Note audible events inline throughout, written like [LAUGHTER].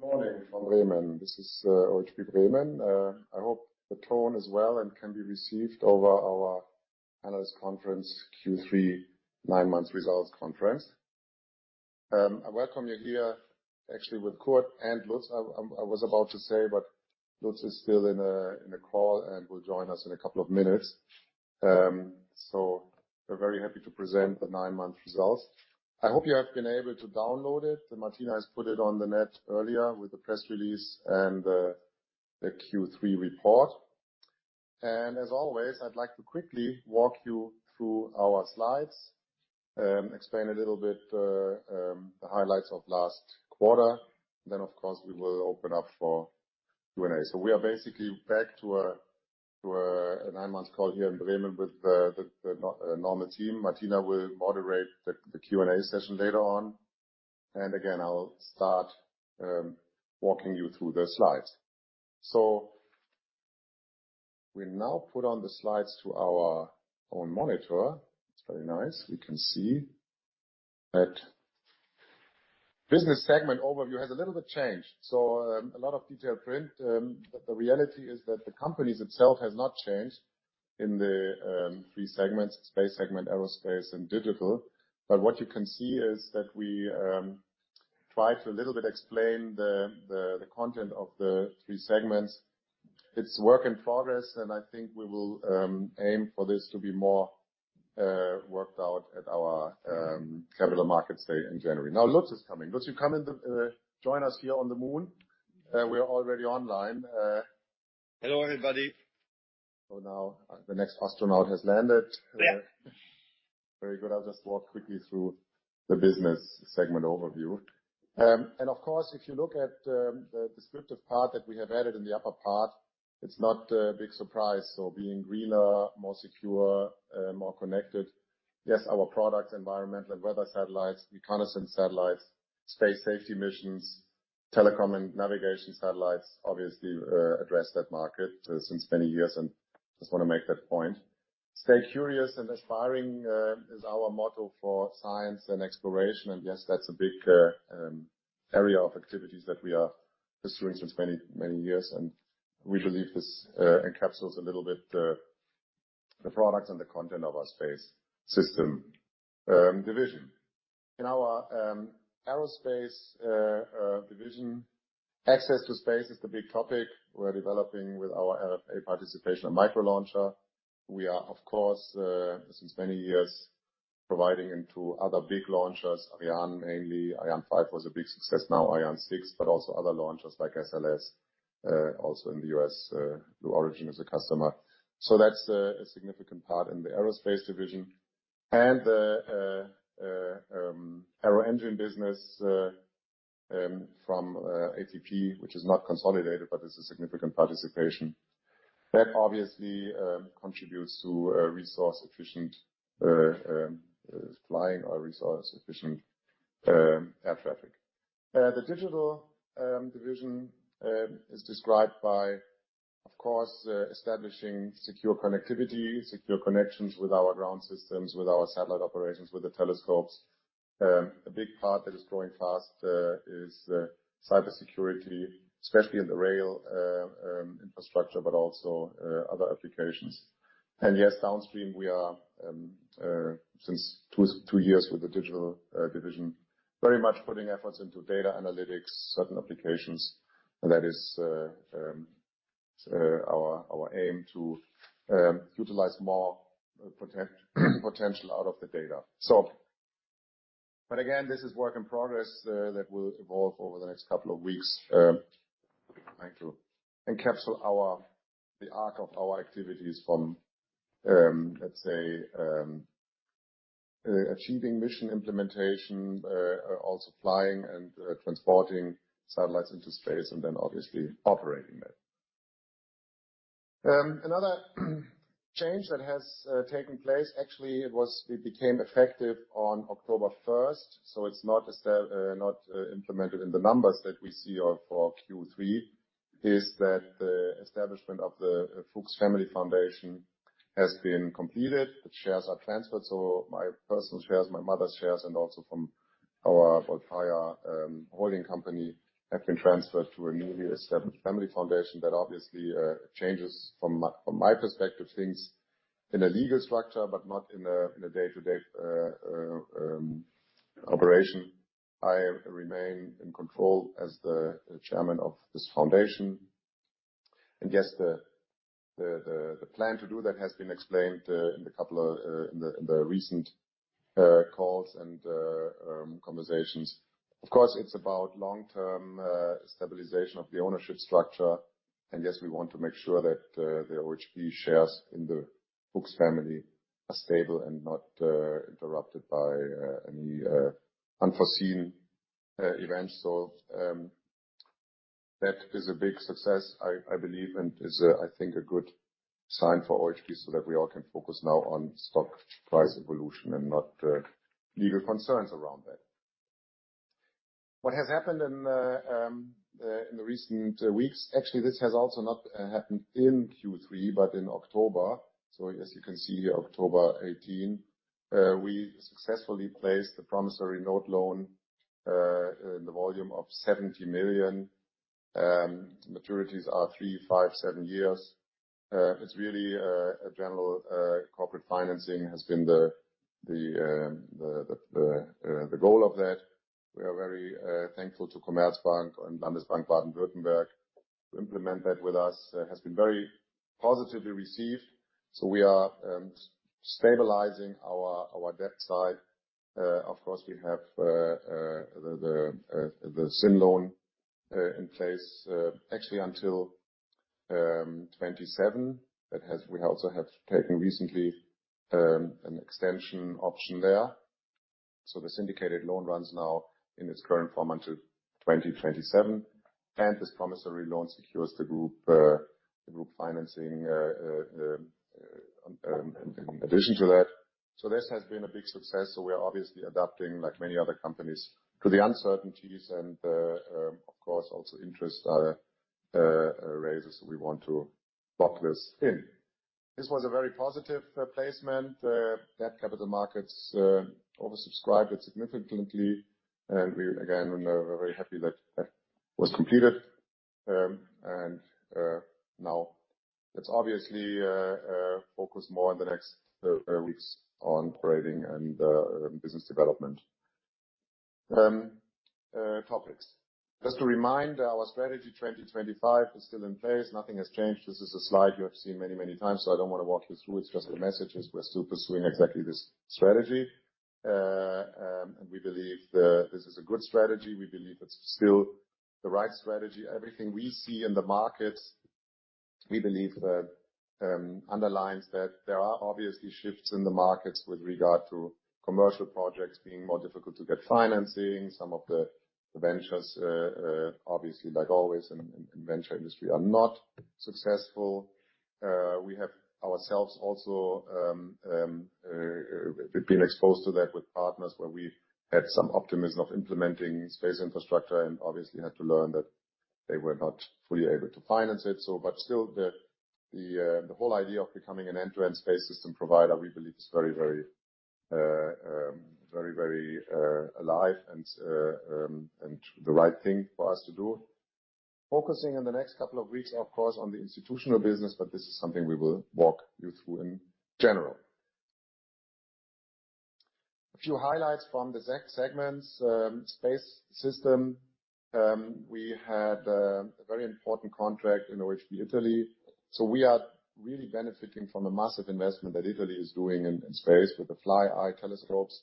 Good morning from Bremen. This is OHB Bremen. I hope the tone is well and can be received over our analyst conference Q3 nine months results conference. I welcome you here actually with Kurt and Lutz. I was about to say, but Lutz is still in a call and will join us in a couple of minutes. We're very happy to present the nine-month results. I hope you have been able to download it. Martina has put it on the net earlier with the press release and the Q3 report. As always, I'd like to quickly walk you through our slides, explain a little bit the highlights of last quarter. Then, of course, we will open up for Q&A. We are basically back to a nine-month call here in Bremen with the normal team. Martina will moderate the Q&A session later on. Again, I'll start walking you through the slides. We now put the slides on our own monitor. It's very nice. We can see that business segment overview has a little bit changed. A lot of detailed print, but the reality is that the companies itself has not changed in the three segments: space segment, aerospace, and digital. What you can see is that we try to a little bit explain the content of the three segments. It's work in progress, and I think we will aim for this to be more worked out at our capital markets day in January. Now, Lutz is coming. Lutz, join us here on the moon. We're already online. Hello, everybody. Now the next astronaut has landed. Yeah. Very good. I'll just walk quickly through the business segment overview. Of course, if you look at the descriptive part that we have added in the upper part, it's not a big surprise. Being greener, more secure, more connected. Yes, our products, environmental and weather satellites, reconnaissance satellites, space safety missions, telecom and navigation satellites obviously address that market since many years, and just wanna make that point. Stay curious and aspiring is our motto for science and exploration. Yes, that's a big area of activities that we are pursuing since many, many years, and we believe this encapsulates a little bit the products and the content of our space system division. In our aerospace division, access to space is the big topic we're developing with our RFA participation micro-launcher. We are, of course, since many years, providing into other big launchers, Ariane mainly. Ariane 5 was a big success, now Ariane 6, but also other launchers like SLS, also in the U.S., Blue Origin is a customer. That's a significant part in the aerospace division. Aero engine business from ATP, which is not consolidated, but is a significant participation. That obviously contributes to a resource efficient flying or resource efficient air traffic. The Digital division is described by, of course, establishing secure connectivity, secure connections with our ground systems, with our satellite operations, with the telescopes. A big part that is growing fast is cybersecurity, especially in the rail infrastructure, but also other applications. Yes, downstream, we are since two years with the digital division very much putting efforts into data analytics, certain applications. That is our aim to utilize more potential out of the data. Again, this is work in progress that will evolve over the next couple of weeks. Thank you. Encapsulates the arc of our activities from, let's say, achieving mission implementation, also flying and transporting satellites into space and then obviously operating that. Another change that has taken place, actually, it became effective on October 1st, so it's not implemented in the numbers that we see for Q3, is that the establishment of the Fuchs Family Foundation has been completed. The shares are transferred, so my personal shares, my mother's shares, and also from our VOLPAIA holding company, have been transferred to a newly established family foundation. That obviously changes from my perspective things in a legal structure, but not in a day-to-day operation. I remain in control as the chairman of this foundation. Yes, the plan to do that has been explained in the recent calls and conversations. Of course, it's about long-term stabilization of the ownership structure. Yes, we want to make sure that the OHB shares in the Fuchs Family are stable and not interrupted by any unforeseen events. That is a big success, I believe, and is a good sign for OHB so that we all can focus now on stock price evolution and not legal concerns around that. What has happened in the recent weeks, actually, this has also not happened in Q3, but in October. As you can see here, October 18, we successfully placed the promissory note loan in the volume of 70 million. Maturities are three, five, seven years. It's really a general corporate financing has been the goal of that. We are very thankful to Commerzbank and Landesbank Baden-Württemberg to implement that with us. Has been very positively received. We are stabilizing our debt side. Of course, we have the syndicated loan in place actually until 2027. We also have taken recently an extension option there. The syndicated loan runs now in its current form until 2027, and this Schuldschein loan secures the group financing in addition to that. This has been a big success. We are obviously adapting, like many other companies, to the uncertainties and, of course, also interest rises. We want to lock this in. This was a very positive placement. The capital markets oversubscribed it significantly. We again, we're very happy that was completed. Now let's obviously focus more on the next weeks on operating and business development topics. Just to remind, our Strategy 2025 is still in place. Nothing has changed. This is a slide you have seen many, many times, so I don't want to walk you through it. Just the message is we're still pursuing exactly this strategy. We believe this is a good strategy. We believe it's still the right strategy. Everything we see in the markets, we believe, underlines that there are obviously shifts in the markets with regard to commercial projects being more difficult to get financing. Some of the ventures obviously, like always in venture industry, are not successful. We have ourselves also been exposed to that with partners where we had some optimism of implementing space infrastructure and obviously had to learn that they were not fully able to finance it. still the whole idea of becoming an end-to-end space system provider, we believe is very alive and the right thing for us to do. Focusing in the next couple of weeks, of course, on the institutional business, but this is something we will walk you through in general. A few highlights from the segments, space system. We had a very important contract in OHB Italia. We are really benefiting from the massive investment that Italy is doing in space with the Flyeye telescopes.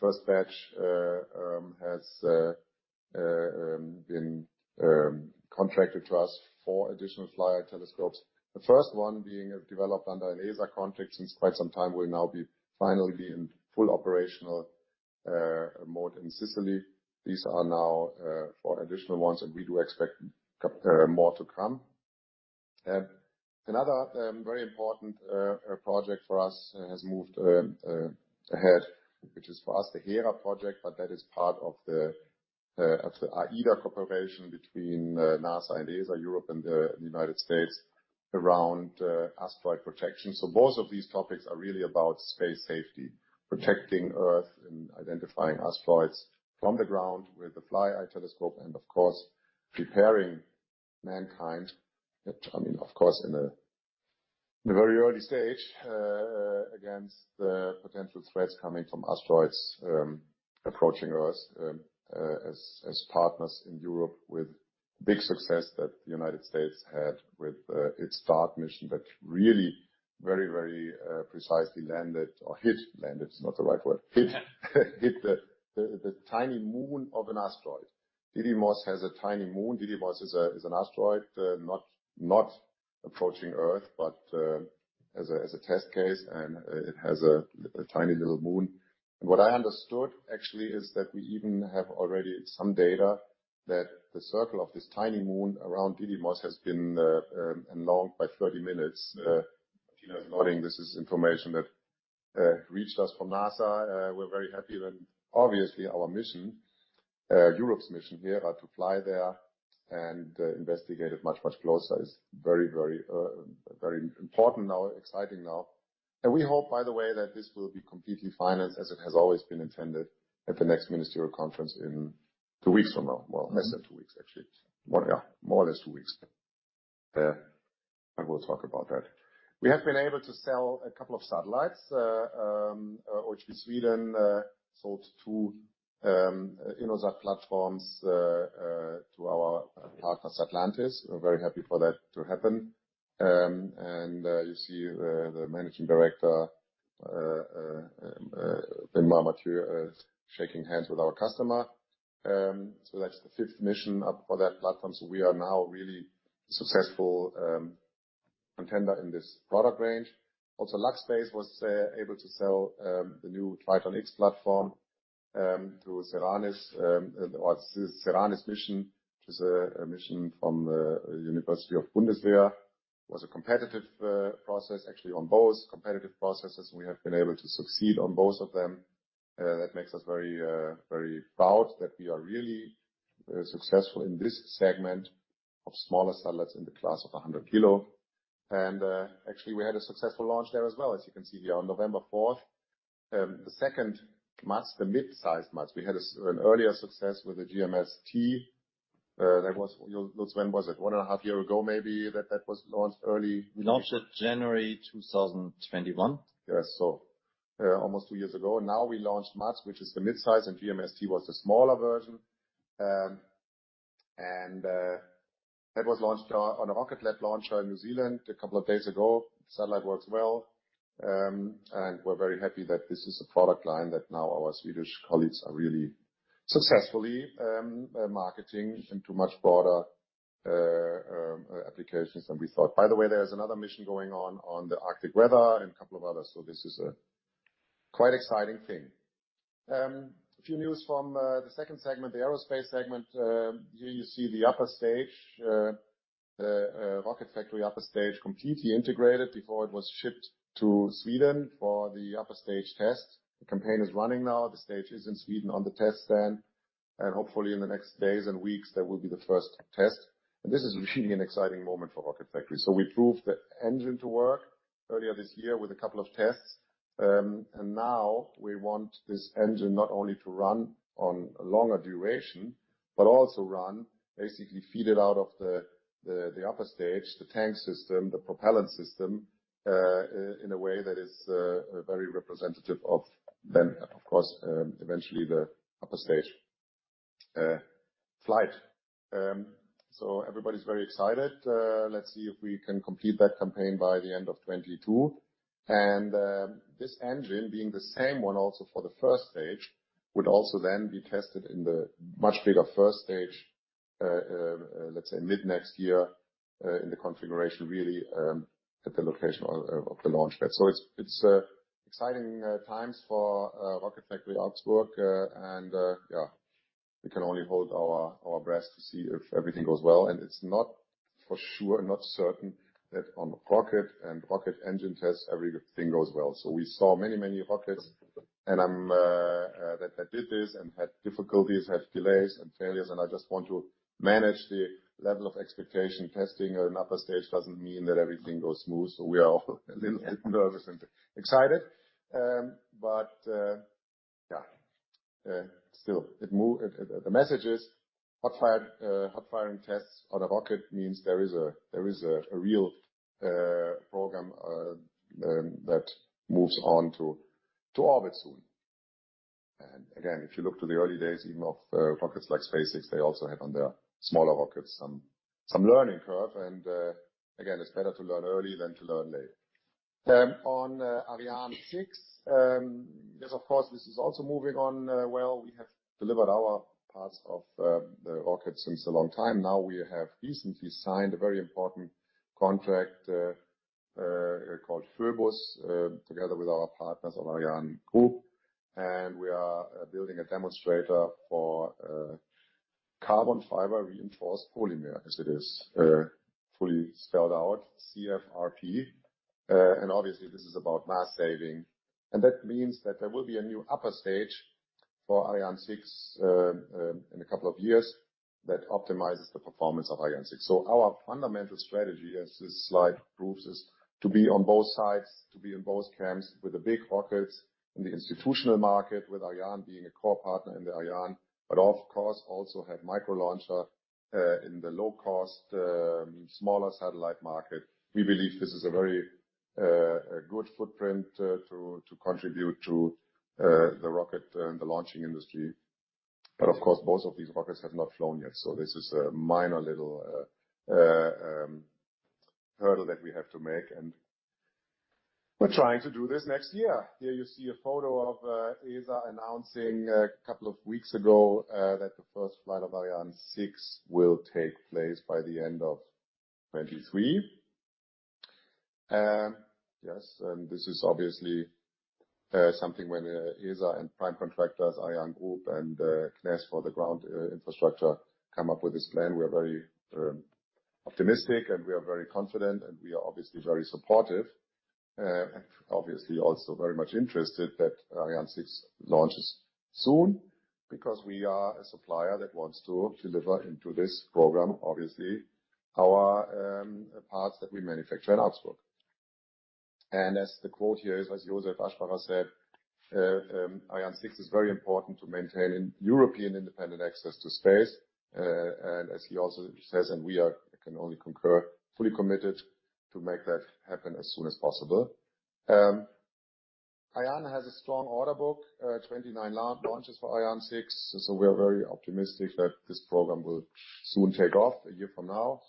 First batch has been contracted to us, four additional Flyeye telescopes. The first one being developed under an ESA contract since quite some time, will now be finally in full operational mode in Sicily. These are now four additional ones, and we do expect a couple more to come. Another very important project for us has moved ahead, which is for us, the Hera project, but that is part of the AIDA cooperation between NASA and ESA, Europe and the United States around asteroid protection. Both of these topics are really about space safety, protecting Earth and identifying asteroids from the ground with the Flyeye telescope and of course, preparing mankind that, I mean, of course, in a very early stage against the potential threats coming from asteroids approaching Earth, as partners in Europe with big success that the United States had with its DART mission that really very precisely landed or hit. Landed is not the right word. Hit. Hit the tiny moon of an asteroid. Didymos has a tiny moon. Didymos is an asteroid, not approaching Earth, but as a test case, and it has a tiny little moon. What I understood actually is that we even have already some data that the circle of this tiny moon around Didymos has been enlarged by 30 minutes. Martina is nodding. This is information that reached us from NASA. We're very happy that obviously our mission, Europe's mission here to fly there and investigate it much closer is very important now, exciting now. We hope, by the way, that this will be completely financed as it has always been intended at the next ministerial conference in two weeks from now. Well, less than two weeks, actually. More, yeah, more or less two weeks. I will talk about that. We have been able to sell a couple of satellites. OHB Sweden sold two InnoSat platforms to our partner, Satlantis. We're very happy for that to happen. You see the managing director, Bengt Möbius, shaking hands with our customer. That's the fifth mission for that platform. We are now a really successful contender in this product range. Also, LuxSpace was able to sell the new Triton-X platform to SeRANIS. The SeRANIS mission is a mission from Universität der Bundeswehr München. It was a competitive process, actually, on both competitive processes, and we have been able to succeed on both of them. That makes us very proud that we are really successful in this segment of smaller satellites in the class of 100 kilo. Actually, we had a successful launch there as well, as you can see here. On November 4th, the second MATS, the mid-sized MATS. We had an earlier success with the GMS-T, that was Lutz, when was it? One and a half year ago, maybe, that was launched early. Launched January 2021. Yeah. Almost two years ago, now we launched MATS, which is the mid-size, and GMS-T was the smaller version. That was launched on a Rocket Lab launcher in New Zealand a couple of days ago. The satellite works well, and we're very happy that this is a product line that now our Swedish colleagues are really successfully marketing into much broader applications than we thought. By the way, there's another mission going on the Arctic weather and a couple of others. This is a quite exciting thing. A few news from the second segment, the aerospace segment. Here you see the upper stage, the Rocket Factory Augsburg upper stage completely integrated before it was shipped to Sweden for the upper stage test. The campaign is running now. The stage is in Sweden on the test stand, and hopefully in the next days and weeks, there will be the first test. This is really an exciting moment for Rocket Factory. We proved the engine to work earlier this year with a couple of tests. Now we want this engine not only to run on a longer duration but also, basically, feed it out of the upper stage, the tank system, the propellant system, in a way that is very representative of then, of course, eventually the upper stage flight. Everybody's very excited. Let's see if we can complete that campaign by the end of 2022. This engine being the same one also for the first stage would also then be tested in the much bigger first stage, let's say mid-next year, in the configuration really at the location of the launchpad. It's exciting times for Rocket Factory Augsburg, and yeah. We can only hold our breath to see if everything goes well, and it's not for sure, not certain, that on a rocket and rocket engine test, everything goes well. We saw many rockets that did this and had difficulties, had delays and failures, and I just want to manage the level of expectation. Testing an upper stage doesn't mean that everything goes smooth. We are all a little nervous and excited. But yeah. Still, the message is hot fire, hot firing tests on a rocket means there is a real program that moves on to orbit soon. Again, if you look to the early days even of rockets like SpaceX, they also had on their smaller rockets some learning curve and, again, it's better to learn early than to learn late. On Ariane 6, yes, of course, this is also moving on, well. We have delivered our parts of the rocket since a long time now. We have recently signed a very important contract called PHOEBUS together with our partners on ArianeGroup. We are building a demonstrator for carbon fiber reinforced polymer, as it is fully spelled out, CFRP. Obviously this is about mass saving, and that means that there will be a new upper stage for Ariane 6 in a couple of years that optimizes the performance of Ariane 6. Our fundamental strategy, as this slide proves, is to be on both sides, to be in both camps with the big rockets in the institutional market, with Ariane being a core partner in the Ariane, but of course also have micro-launcher in the low-cost, smaller satellite market. We believe this is a very good footprint to contribute to the rocket and the launching industry. Of course, both of these rockets have not flown yet, so this is a minor little hurdle that we have to make, and we're trying to do this next year. Here you see a photo of ESA announcing a couple of weeks ago that the first flight of Ariane 6 will take place by the end of 2023. Yes. This is obviously something when ESA and prime contractors, ArianeGroup and CNES for the ground infrastructure, come up with this plan. We are very optimistic, and we are very confident, and we are obviously very supportive. Obviously also very much interested that Ariane 6 launches soon because we are a supplier that wants to deliver into this program, obviously, our parts that we manufacture in Augsburg. As the quote here is, as Josef Aschbacher said, "Ariane 6 is very important to maintain European independent access to space." As he also says, we are, I can only concur, fully committed to make that happen as soon as possible. Ariane has a strong order book, 29 launches for Ariane 6, so we are very optimistic that this program will soon take off a year from now.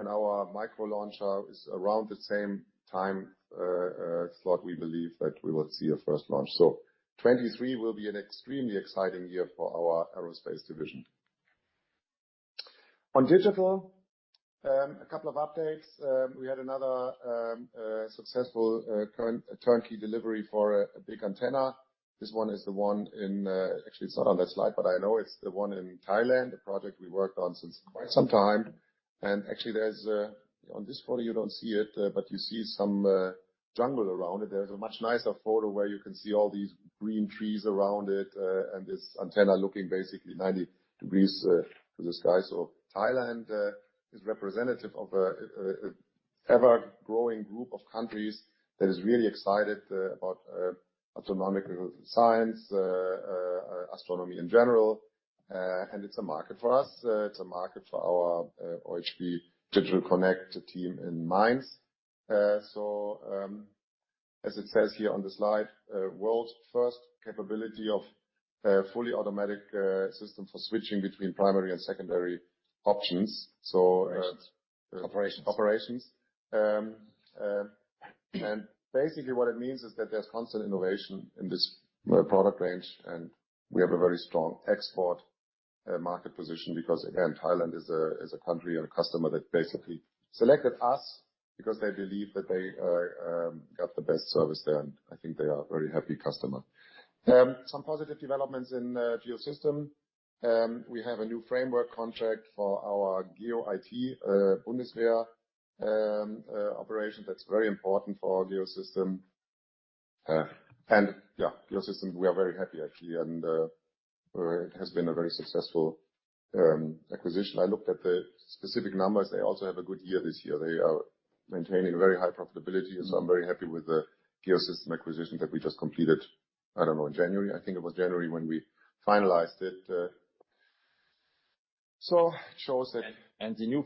Our micro-launcher is around the same time, slot, we believe, that we will see a first launch. 2023 will be an extremely exciting year for our aerospace division. On digital, a couple of updates. We had another successful turnkey delivery for a big antenna. This one is the one in, actually, it's not on that slide, but I know it's the one in Thailand, the project we worked on since quite some time. Actually, there's on this photo, you don't see it, but you see some jungle around it. There's a much nicer photo where you can see all these green trees around it, and this antenna looking basically 90 degrees to the sky. Thailand is representative of an ever-growing group of countries that is really excited about astronomical science, astronomy in general. It's a market for us. It's a market for our OHB Digital Connect team in Mainz. As it says here on the slide, world's first capability of a fully automatic system for switching between primary and secondary options. Operations. Operations. Basically, what it means is that there's constant innovation in this product range, and we have a very strong export market position because, again, Thailand is a country and a customer that basically selected us because they believe that they got the best service there, and I think they are a very happy customer. Some positive developments in GEOSYSTEMS. We have a new framework contract for our Geo-IT, Bundeswehr operation that's very important for GEOSYSTEMS. Yeah, GEOSYSTEMS, we are very happy, actually, and it has been a very successful acquisition. I looked at the specific numbers. They also have a good year this year. They are maintaining very high profitability. I'm very happy with the GEOSYSTEMS acquisition that we just completed, I don't know, in January. I think it was January when we finalized it. It shows that. The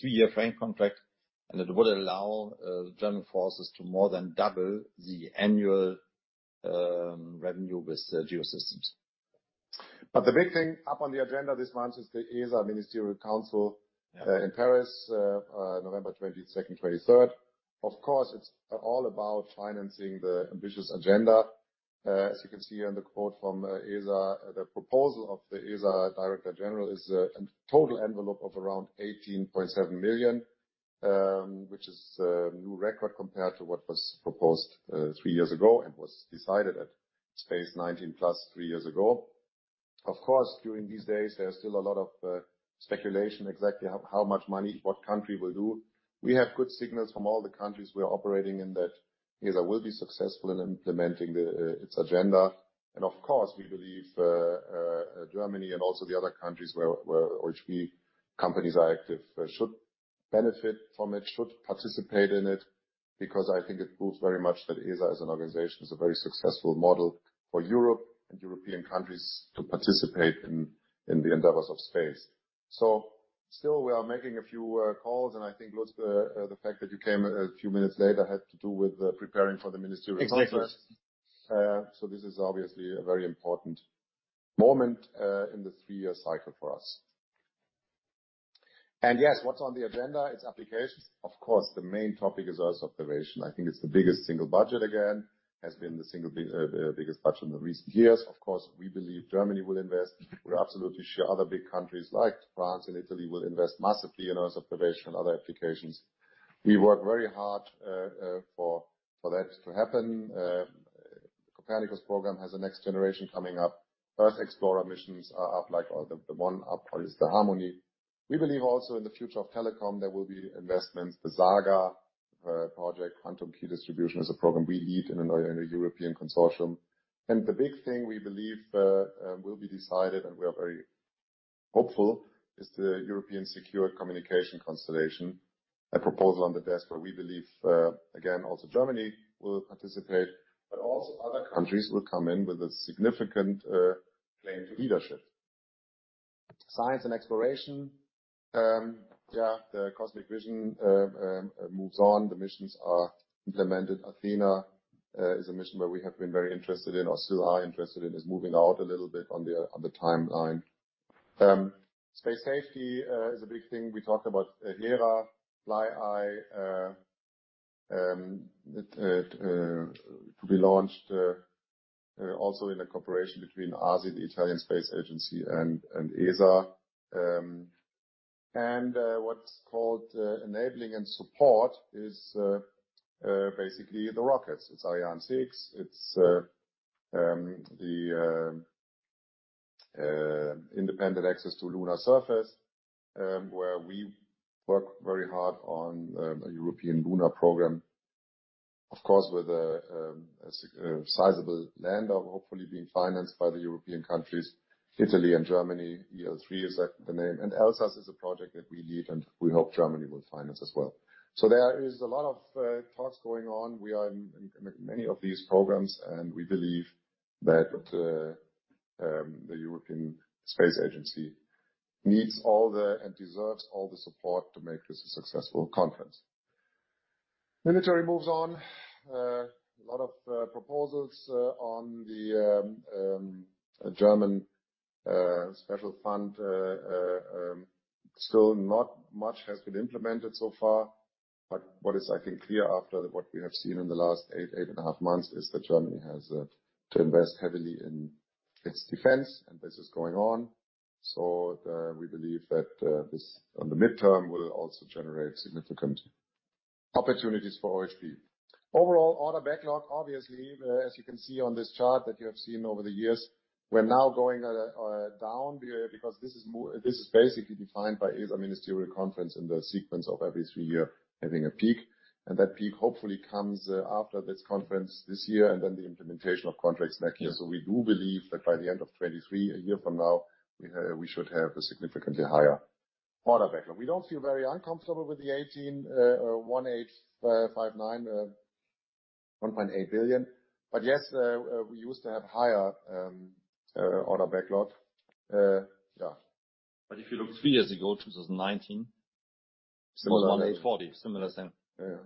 three-year framework contract would allow the German forces to more than double the annual revenue with GEOSYSTEMS. The big thing up on the agenda this month is the ESA Ministerial Council in Paris, November 22nd, 23rd. Of course, it's all about financing the ambitious agenda. As you can see on the quote from ESA, the proposal of the ESA director-general is a total envelope of around 18.7 billion, which is a new record compared to what was proposed three years ago and was decided at Space19+ three years ago. Of course, during these days, there's still a lot of speculation exactly how much money what country will do. We have good signals from all the countries we are operating in that ESA will be successful in implementing its agenda. Of course, we believe, Germany and also the other countries where OHB companies are active should benefit from it, should participate in it, because I think it proves very much that ESA as an organization is a very successful model for Europe and European countries to participate in the endeavors of space. Still we are making a few calls, and I think, Lutz, the fact that you came a few minutes later had to do with preparing for the ministerial conference. Exactly. This is obviously a very important moment in the three-year cycle for us. Yes, what's on the agenda? It's applications. Of course, the main topic is Earth observation. I think it's the biggest single budget again, the biggest budget in the recent years. Of course, we believe Germany will invest. We're absolutely sure other big countries like France and Italy will invest massively in Earth observation and other applications. We work very hard for that to happen. Copernicus program has a next generation coming up. Earth explorer missions are up, like, the one up is the Harmony. We believe also in the future of telecom, there will be investments. The SAGA project, Quantum Key Distribution, is a program we lead in a European consortium. The big thing we believe will be decided, and we are very hopeful, is the European Secure Communication constellation, a proposal on the desk where we believe, again, also Germany will participate, but also other countries will come in with a significant claim to leadership. Science and exploration. The Cosmic Vision moves on. The missions are implemented. Athena is a mission where we have been very interested in or still are interested in, is moving out a little bit on the timeline. Space safety is a big thing. We talked about Hera, Flyeye, it to be launched also in a cooperation between ASI, the Italian Space Agency, and ESA. What's called enabling and support is basically the rockets. It's Ariane 6, the independent access to lunar surface, where we work very hard on a European lunar program. Of course, with a sizable lander, hopefully being financed by the European countries, Italy and Germany. EL3 is the name. ElsaS is a project that we lead, and we hope Germany will finance as well. There is a lot of talks going on. We are in many of these programs, and we believe that the European Space Agency needs all the and deserves all the support to make this a successful conference. Military moves on. A lot of proposals on the German special fund, still not much has been implemented so far. What is, I think, clear after what we have seen in the last eight and a half months is that Germany has to invest heavily in its defense, and this is going on. We believe that this in the midterm will also generate significant opportunities for OHB. Overall order backlog, obviously, as you can see on this chart that you have seen over the years, we're now going at a down period because this is basically defined by a ministerial conference in the sequence of every three year having a peak. That peak hopefully comes after this conference this year and then the implementation of contracts next year. We do believe that by the end of 2023, a year from now, we should have a significantly higher order backlog. We don't feel very uncomfortable with 1.8 billion. Yes, we used to have higher order backlog. Yeah. If you look three years ago, 2019. Similar. It was 140. Similar thing. Yeah.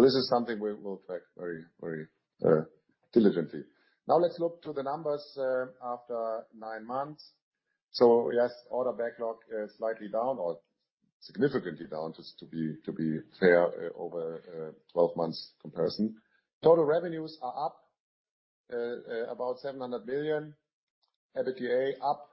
This is something we'll track very diligently. Let's look to the numbers after nine months. Yes, order backlog is slightly down or significantly down, just to be fair, over 12 months comparison. Total revenues are up about 700 million. EBITDA up,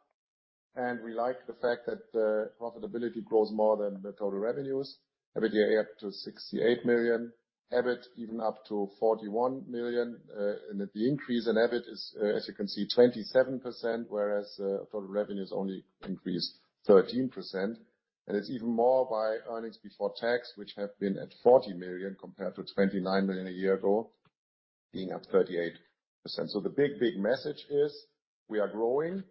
and we like the fact that profitability grows more than the total revenues. EBITDA up to 68 million. EBIT even up to 41 million. The increase in EBIT is, as you can see, 27%, whereas total revenues only increased 13%. It's even more by earnings before tax, which have been at 40 million, compared to 29 million a year ago, being up 38%. The big, big message is we are growing,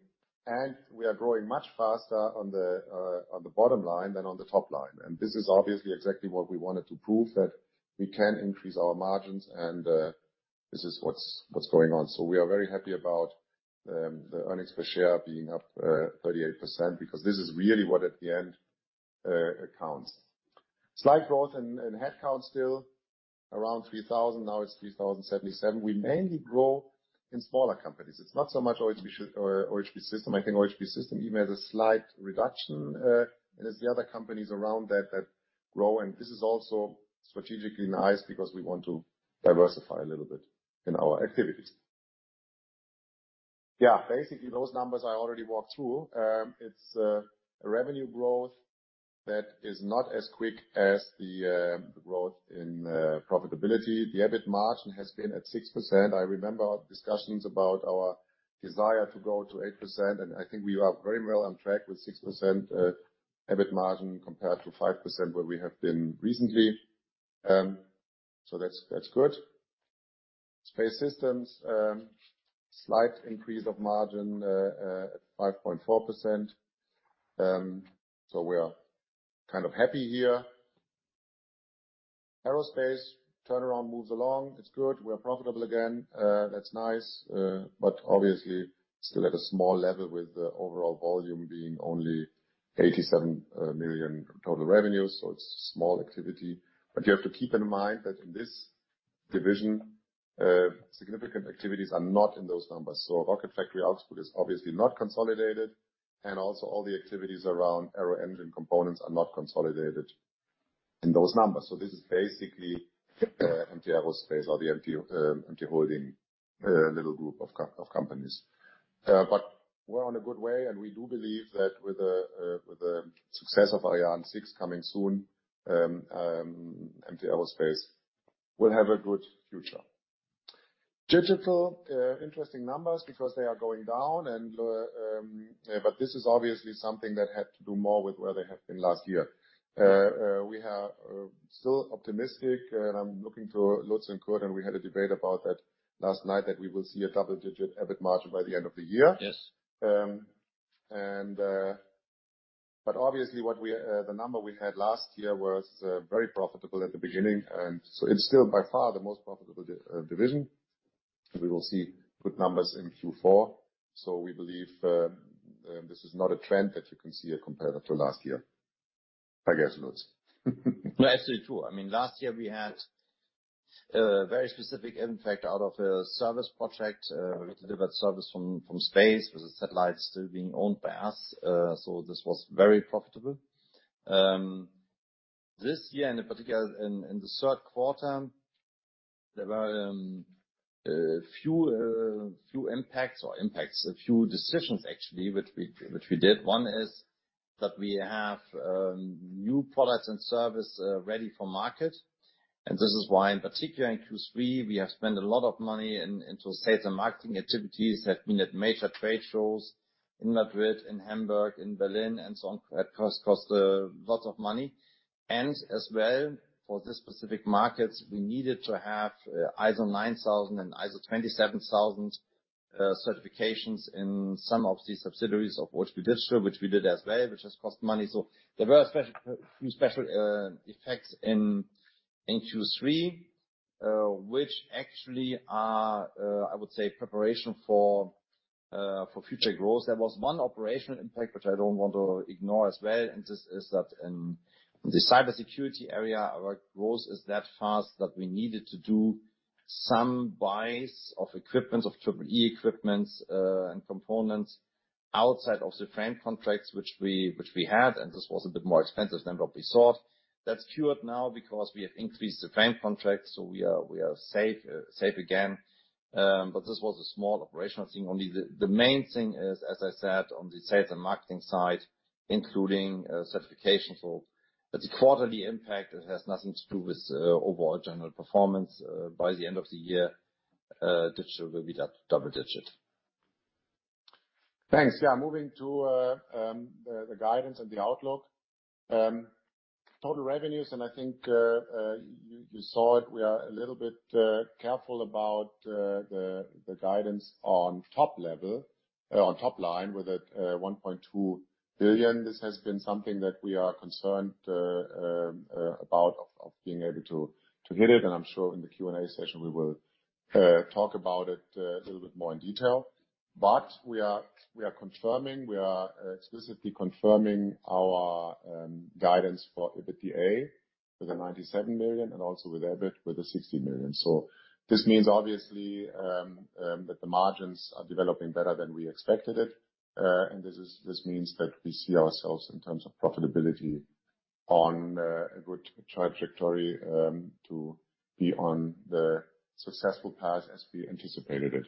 and we are growing much faster on the bottom line than on the top line. This is obviously exactly what we wanted to prove, that we can increase our margins and this is what's going on. We are very happy about the earnings per share being up 38%, because this is really what at the end counts. Slight growth in headcount still. Around 3,000, now it's 3,077. We mainly grow in smaller companies. It's not so much OHB SE or OHB System. I think OHB System even has a slight reduction, and it's the other companies around that that grow. This is also strategically nice because we want to diversify a little bit in our activities. Yeah, basically those numbers I already walked through. It's a revenue growth that is not as quick as the growth in profitability. The EBIT margin has been at 6%. I remember our discussions about our desire to go to 8%, and I think we are very well on track with 6% EBIT margin compared to 5% where we have been recently. So that's good. Space Systems, slight increase of margin at 5.4%. So we are kind of happy here. Aerospace turnaround moves along. It's good. We're profitable again. That's nice. Obviously still at a small level with the overall volume being only 87 million total revenue, so it's small activity. You have to keep in mind that in this division, significant activities are not in those numbers. RFA output is obviously not consolidated and also all the activities around aero engine components are not consolidated in those numbers. This is basically MT Aerospace or the MT holding little group of companies. We're on a good way, and we do believe that with the success of Ariane 6 coming soon, MT Aerospace will have a good future. OHB Digital, interesting numbers because they are going down, but this is obviously something that had to do more with where they have been last year. We are still optimistic, and I'm looking for Lutz and Kurt, and we had a debate about that last night, that we will see a double-digit EBIT margin by the end of the year. Yes. Obviously what we the number we had last year was very profitable at the beginning, and so it's still by far the most profitable division. We will see good numbers in Q4. We believe this is not a trend that you can see here compared to last year. I guess, Lutz. No, that's true. I mean, last year we had a very specific impact out of a service project. We delivered service from space with the satellite still being owned by us, so this was very profitable. This year and in particular in the third quarter, there were a few impacts or a few decisions actually, which we did. One is that we have new products and service ready for market. This is why, in particular in Q3, we have spent a lot of money into sales and marketing activities. Have been at major trade shows in Madrid, in Hamburg, in Berlin and so on. That cost lots of money. As well, for the specific markets, we needed to have ISO 9001 and ISO 27001 certifications in some of these subsidiaries of which we did so. Which we did as well, which has cost money. There were a few special effects in Q3, which actually are preparation for future growth. There was one operational impact which I don't want to ignore as well, and this is that in the cybersecurity area, our growth is that fast that we needed to do some buys of equipment, of EEE equipment, and components outside of the frame contracts which we had. This was a bit more expensive than what we thought. That's cured now because we have increased the frame contracts, so we are safe again. This was a small operational thing only. The main thing is, as I said, on the sales and marketing side. Including certification. It's a quarterly impact, it has nothing to do with overall general performance. By the end of the year, digital will be double digit. Thanks. Yeah. Moving to the guidance and the outlook. Total revenues, and I think you saw it. We are a little bit careful about the guidance on top level on top line with 1.2 billion. This has been something that we are concerned about being able to hit it, and I'm sure in the Q&A session we will talk about it a little bit more in detail. We are explicitly confirming our guidance for EBITDA with 97 million and also with EBIT with 60 million. This means obviously that the margins are developing better than we expected it. This means that we see ourselves in terms of profitability on a good trajectory to be on the successful path as we anticipated it.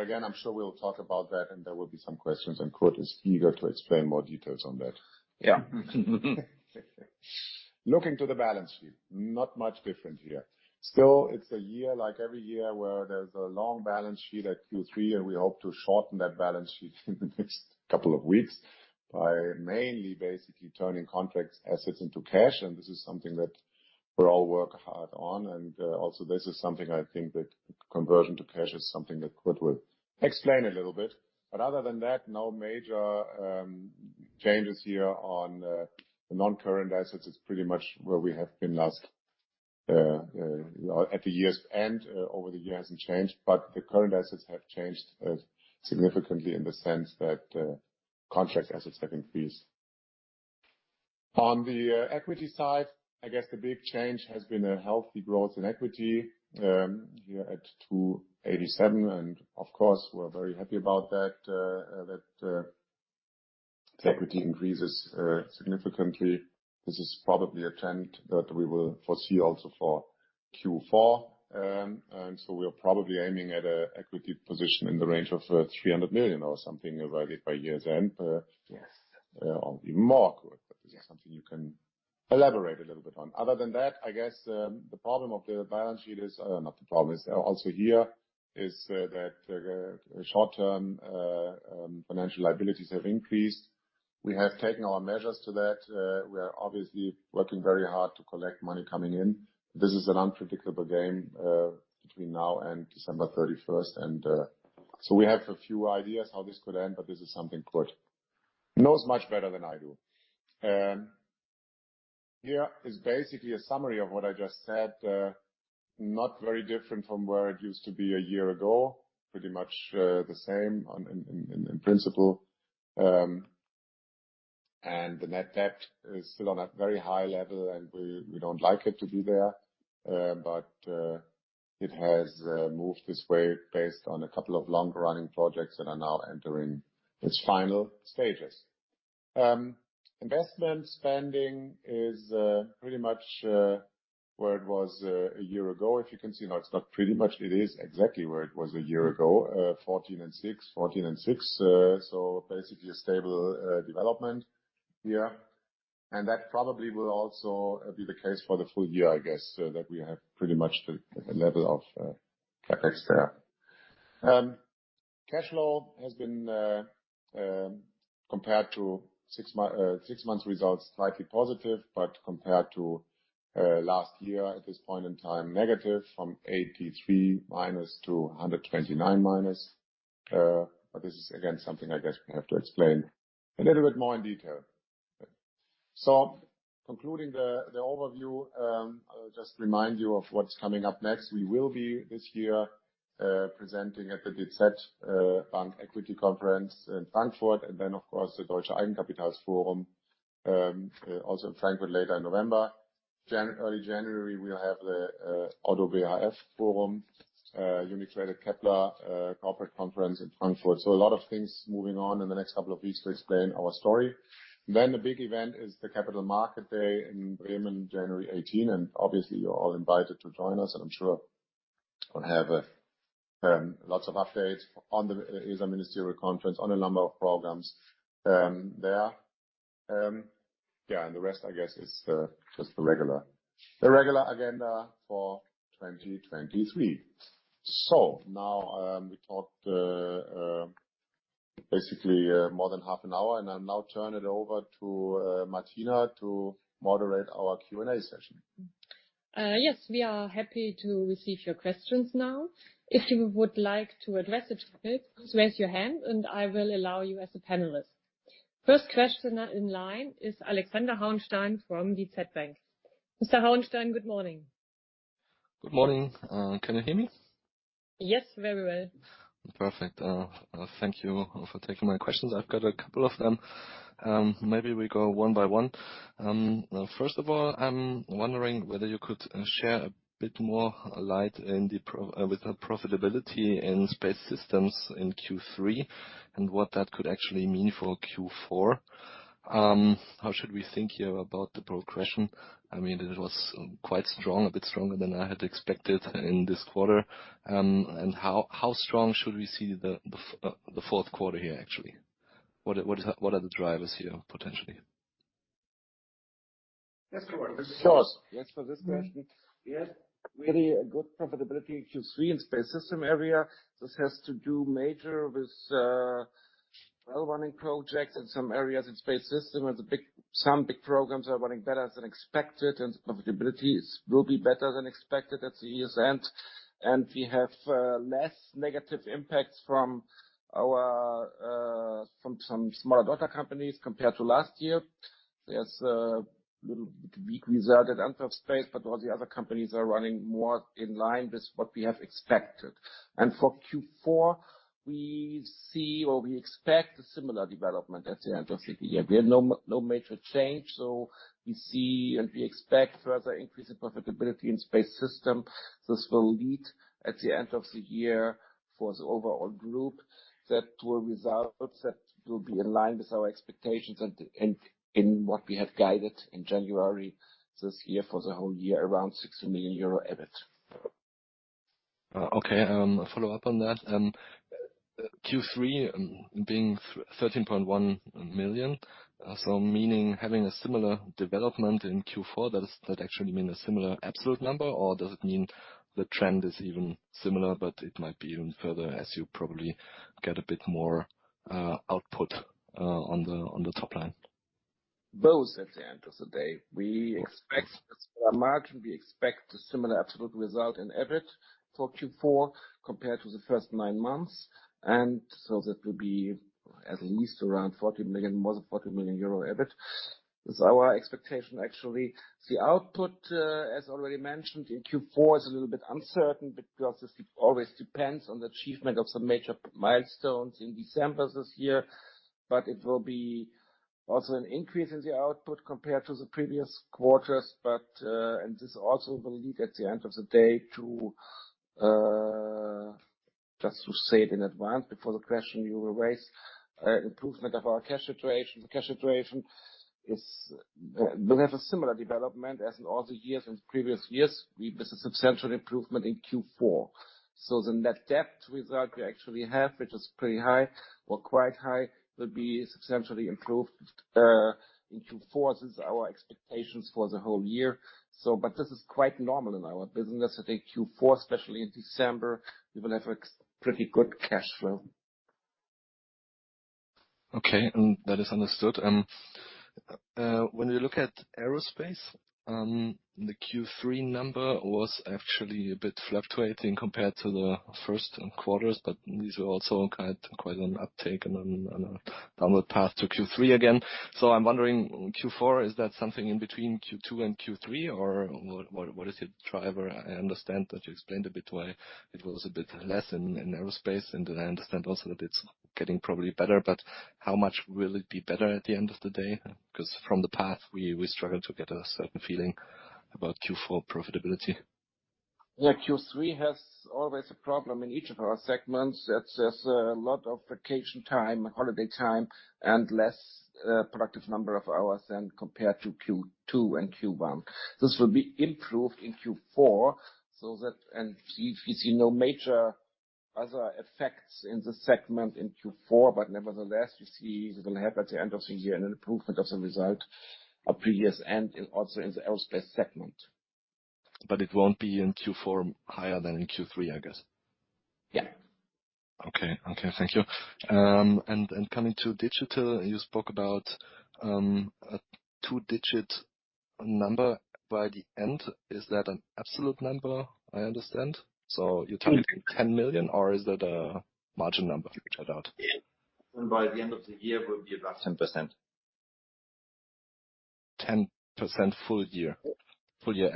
Again, I'm sure we'll talk about that and there will be some questions, and Kurt is eager to explain more details on that. Yeah. Looking to the balance sheet, not much different here. Still, it's a year, like every year, where there's a long balance sheet at Q3, and we hope to shorten that balance sheet in the next couple of weeks by mainly basically turning contract assets into cash, and this is something that we all work hard on. Also, this is something I think that conversion to cash is something that Kurt will explain a little bit. Other than that, no major changes here on the non-current assets. It's pretty much where we have been last year at the year's end. It over the years hasn't changed, but the current assets have changed significantly in the sense that contract assets have increased. On the equity side, I guess the big change has been a healthy growth in equity here at 287 million, and of course, we're very happy about that that the equity increases significantly. This is probably a trend that we will foresee also for Q4. We are probably aiming at a equity position in the range of 300 million or something available by year's end. Yes. Even more. This is something you can elaborate a little bit on. Other than that, I guess, the problem of the balance sheet is also here, is that the short-term financial liabilities have increased. We have taken our measures to that. We are obviously working very hard to collect money coming in. This is an unpredictable game between now and December 31st. We have a few ideas how this could end, but this is something Kurt knows much better than I do. Here is basically a summary of what I just said. Not very different from where it used to be a year ago. Pretty much, the same in principle. The net debt is still on a very high level, and we don't like it to be there, but it has moved this way based on a couple of long-running projects that are now entering its final stages. Investment spending is pretty much where it was a year ago. If you can see now, it's not pretty much, it is exactly where it was a year ago, 14.6, 14.6. So basically a stable development here. That probably will also be the case for the full year, I guess, that we have pretty much the level of CapEx there. Cash flow has been compared to six months results, slightly positive, but compared to last year at this point in time, negative from -83--129. But this is again, something I guess we have to explain a little bit more in detail. Concluding the overview, I'll just remind you of what's coming up next. We will be this year presenting at the DZ Bank Equity Conference in Frankfurt, and then of course, the Deutsche Eigenkapitalforum also in Frankfurt later in November. Early January, we'll have the ODDO BHF forum, UniCredit Kepler Cheuvreux corporate conference in Frankfurt. A lot of things moving on in the next couple of weeks to explain our story. The big event is the Capital Market Day in Bremen, January 18, and obviously you're all invited to join us, and I'm sure I'll have lots of updates on the ESA Ministerial Council on a number of programs there. Yeah, and the rest, I guess, is just the regular agenda for 2023. We talked basically more than half an hour, and I'll now turn it over to Martina to moderate our Q&A session. Yes. We are happy to receive your questions now. If you would like to address it, please raise your hand, and I will allow you as a panelist. First questioner in line is Alexander Hauenstein from DZ Bank. Mr. Hauenstein, good morning. Good morning. Can you hear me? Yes, very well. Perfect. Thank you for taking my questions. I've got a couple of them. Maybe we go one by one. First of all, I'm wondering whether you could shed a bit more light on the profitability in Space Systems in Q3, and what that could actually mean for Q4. How should we think here about the progression? I mean, it was quite strong, a bit stronger than I had expected in this quarter. How strong should we see the fourth quarter here, actually? What are the drivers here potentially? Yes, sure. Sure. Yes, for this question. We had really a good profitability in Q3 in space system area. This has to do mainly with well-running projects in some areas in space system, and some big programs are running better than expected, and the profitability will be better than expected at the year's end. We have less negative impacts from some smaller daughter companies compared to last year. There's a little weak result at Antwerp Space, but all the other companies are running more in line with what we have expected. For Q4, we see or we expect a similar development at the end of the year. We have no major change. We see and we expect further increase in profitability in space systems. This will lead at the end of the year for the overall group that will be in line with our expectations and in what we have guided in January this year for the whole year, around 60 million euro EBIT. Okay, a follow-up on that. Q3 being 13.1 million, so meaning having a similar development in Q4, does that actually mean a similar absolute number or does it mean the trend is even similar, but it might be even further as you probably get a bit more output on the top line? But at the end of the day. We expect a similar margin, we expect a similar absolute result in EBIT for Q4 compared to the first nine months. That will be at least around 40 million, more than 40 million euro EBIT, is our expectation actually. The output, as already mentioned in Q4, is a little bit uncertain because this always depends on the achievement of some major milestones in December this year, but it will be also an increase in the output compared to the previous quarters. And this also will lead at the end of the day to, just to say it in advance before the question you will raise, improvement of our cash situation. The cash situation will have a similar development as in all the years, in previous years. We've a substantial improvement in Q4. The net debt result we actually have, which is pretty high or quite high, will be substantially improved in Q4. This is our expectations for the whole year. But this is quite normal in our business. I think Q4, especially in December, we will have a pretty good cash flow. Okay, that is understood. When you look at aerospace, the Q3 number was actually a bit fluctuating compared to the first quarters, but these were also quite an uptake and a downward path to Q3 again. I'm wondering, Q4, is that something in between Q2 and Q3, or what is your driver? I understand that you explained a bit why it was a bit less in aerospace, and I understand also that it's getting probably better, but how much will it be better at the end of the day? 'Cause from the path, we struggle to get a certain feeling about Q4 profitability. Yeah, Q3 has always a problem in each of our segments. That's, there's a lot of vacation time, holiday time, and less productive number of hours than compared to Q2 and Q1. This will be improved in Q4, so that. We see no major other effects in the segment in Q4, but nevertheless, we see we're gonna have at the end of the year an improvement of the result of previous end and also in the aerospace segment. It won't be in Q4 higher than in Q3, I guess. Yeah. Okay, thank you. Coming to digital, you spoke about a two-digit number by the end. Is that an absolute number, I understand? You're talking 10 million, or is that a margin number you talked about? By the end of the year will be above 10%. 10% full year?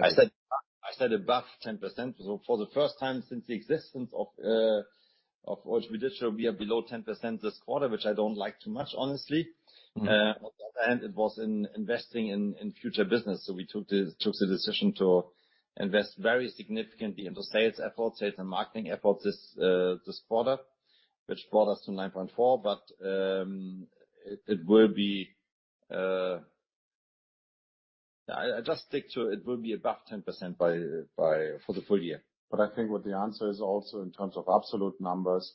I said above 10%. For the first time since the existence of OHB Digital, we are below 10% this quarter, which I don't like too much, honestly. Mm-hmm. On the other hand, it was investing in future business. We took the decision to invest very significantly into sales efforts, sales and marketing efforts this quarter, which brought us to 9.4%. I just stick to it will be above 10% for the full year. I think what the answer is also in terms of absolute numbers,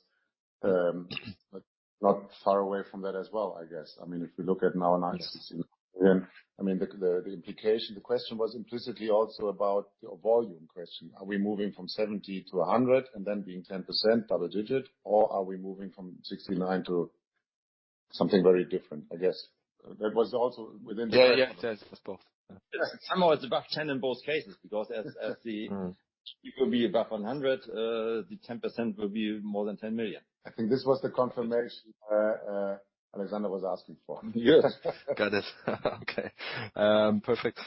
not far away from that as well, I guess. I mean, if you look at now EUR 96 million, I mean, the implication, the question was implicitly also about a volume question. Are we moving from 70 million to 100 million and then being 10% double digit, or are we moving from 69 million to something very different, I guess? That was also within the question. Yeah. Yes, yes, both. Somehow it's above 10 in both cases, because as the Mm. It will be above 100%. The 10% will be more than 10 million. I think this was the confirmation Alexander Hauenstein was asking for. Yes. Got it. Okay. Perfect.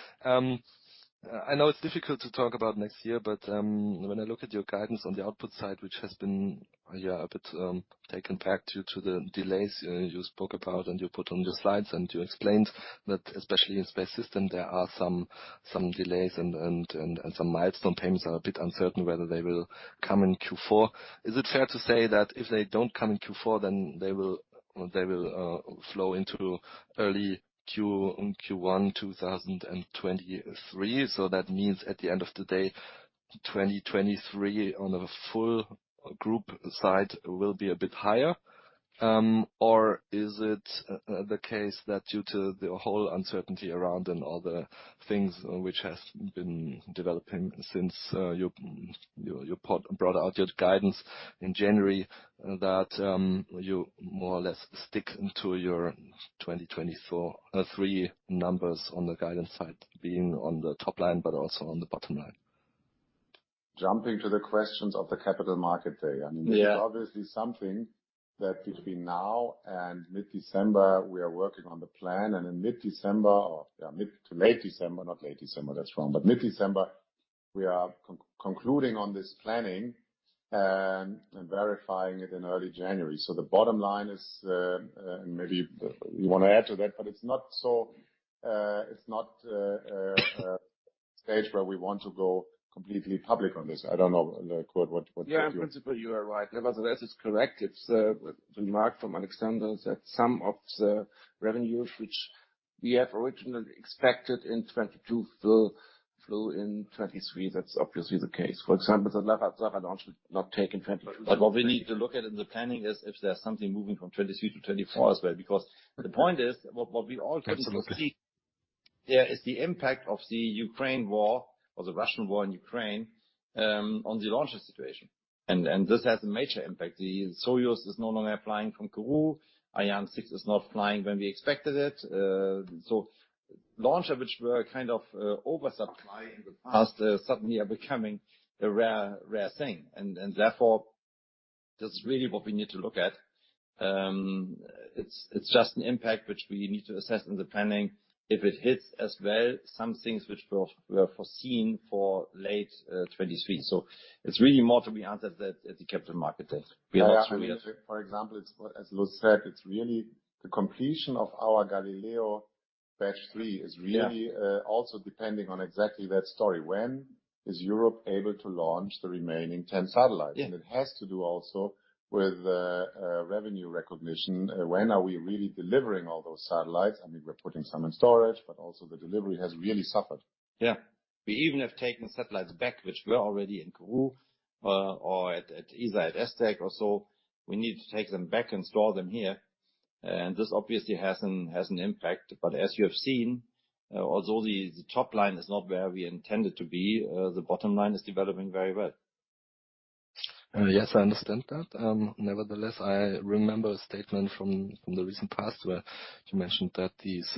I know it's difficult to talk about next year, when I look at your guidance on the output side, which has been a bit taken back due to the delays you spoke about and you put on your slides and you explained. Especially in Space Systems, there are some delays and some milestone payments are a bit uncertain whether they will come in Q4. Is it fair to say that if they don't come in Q4, then they will flow into early Q1 2023? That means at the end of the day, 2023 on a full group side will be a bit higher. Is it the case that due to the whole uncertainty around and all the things which has been developing since you brought out your guidance in January, that you more or less stick to your 2024 three numbers on the guidance side, being on the top line, but also on the bottom line. Jumping to the questions of the capital market day. Yeah. I mean, it is obviously something that between now and mid-December, we are working on the plan, and in mid-December or mid-to-late December, not late December, that's wrong, but mid-December, we are concluding on this planning and verifying it in early January. The bottom line is, and maybe you want to add to that, but it's not so, it's not a stage where we want to go completely public on this. I don't know, Kurt, what you Yeah, in principle, you are right. Nevertheless, it's correct. It's the remark from Alexander that some of the revenues which we have originally expected in 2022 will flow in 2023. That's obviously the case. For example, the LARES-2 launch did not take place in 2022. What we need to look at in the planning is if there's something moving from 2023 to 2024 as well, because the point is, what we all can see there is the impact of the Ukraine war, or the Russian war in Ukraine, on the launcher situation. This has a major impact. The Soyuz is no longer flying from Kourou. Ariane 6 is not flying when we expected it. So, launchers which were kind of in oversupply in the past suddenly are becoming a rare thing, and therefore, this is really what we need to look at. It's just an impact which we need to assess in the planning. If it hits as well, some things which were foreseen for late 2023. It's really more to be answered at the capital market day. We are. For example, as Lutz said, it's really the completion of our Galileo Batch-3. Yeah. Also depending on exactly that story. When is Europe able to launch the remaining 10 satellites? Yeah. It has to do also with revenue recognition. When are we really delivering all those satellites? I mean, we're putting some in storage, but also the delivery has really suffered. Yeah. We even have taken satellites back which were already in Kourou, or at ESTEC or so. We need to take them back and store them here. This obviously has an impact. As you have seen, although the top line is not where we intended to be, the bottom line is developing very well. Yes, I understand that. Nevertheless, I remember a statement from the recent past where you mentioned that these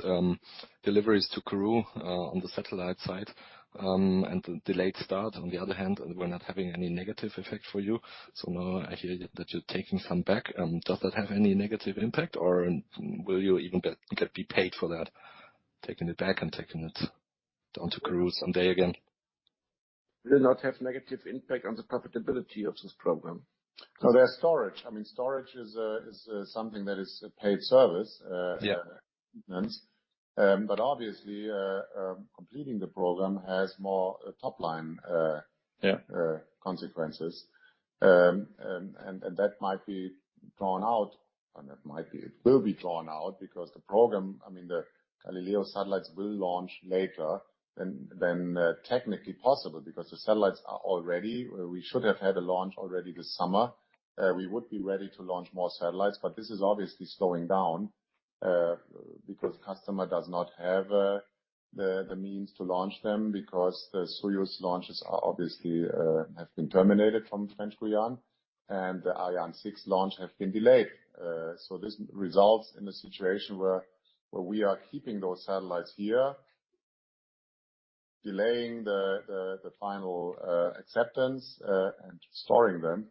deliveries to Kourou on the satellite side and the delayed start on the other hand were not having any negative effect for you. Now I hear that you're taking some back. Does that have any negative impact, or will you even get paid for that, taking it back and taking it down to Kourou someday again? Will not have negative impact on the profitability of this program. There's storage. I mean, storage is something that is a paid service. Yeah. Obviously, completing the program has more top-line Yeah. consequences. That might be drawn out, and it might be, it will be drawn out because the program, I mean the Galileo satellites will launch later than technically possible because the satellites are all ready. We should have had a launch already this summer. We would be ready to launch more satellites, but this is obviously slowing down because customer does not have the means to launch them because the Soyuz launches are obviously have been terminated from French Guiana and the Ariane 6 launch have been delayed. This results in a situation where we are keeping those satellites here, delaying the final acceptance and storing them.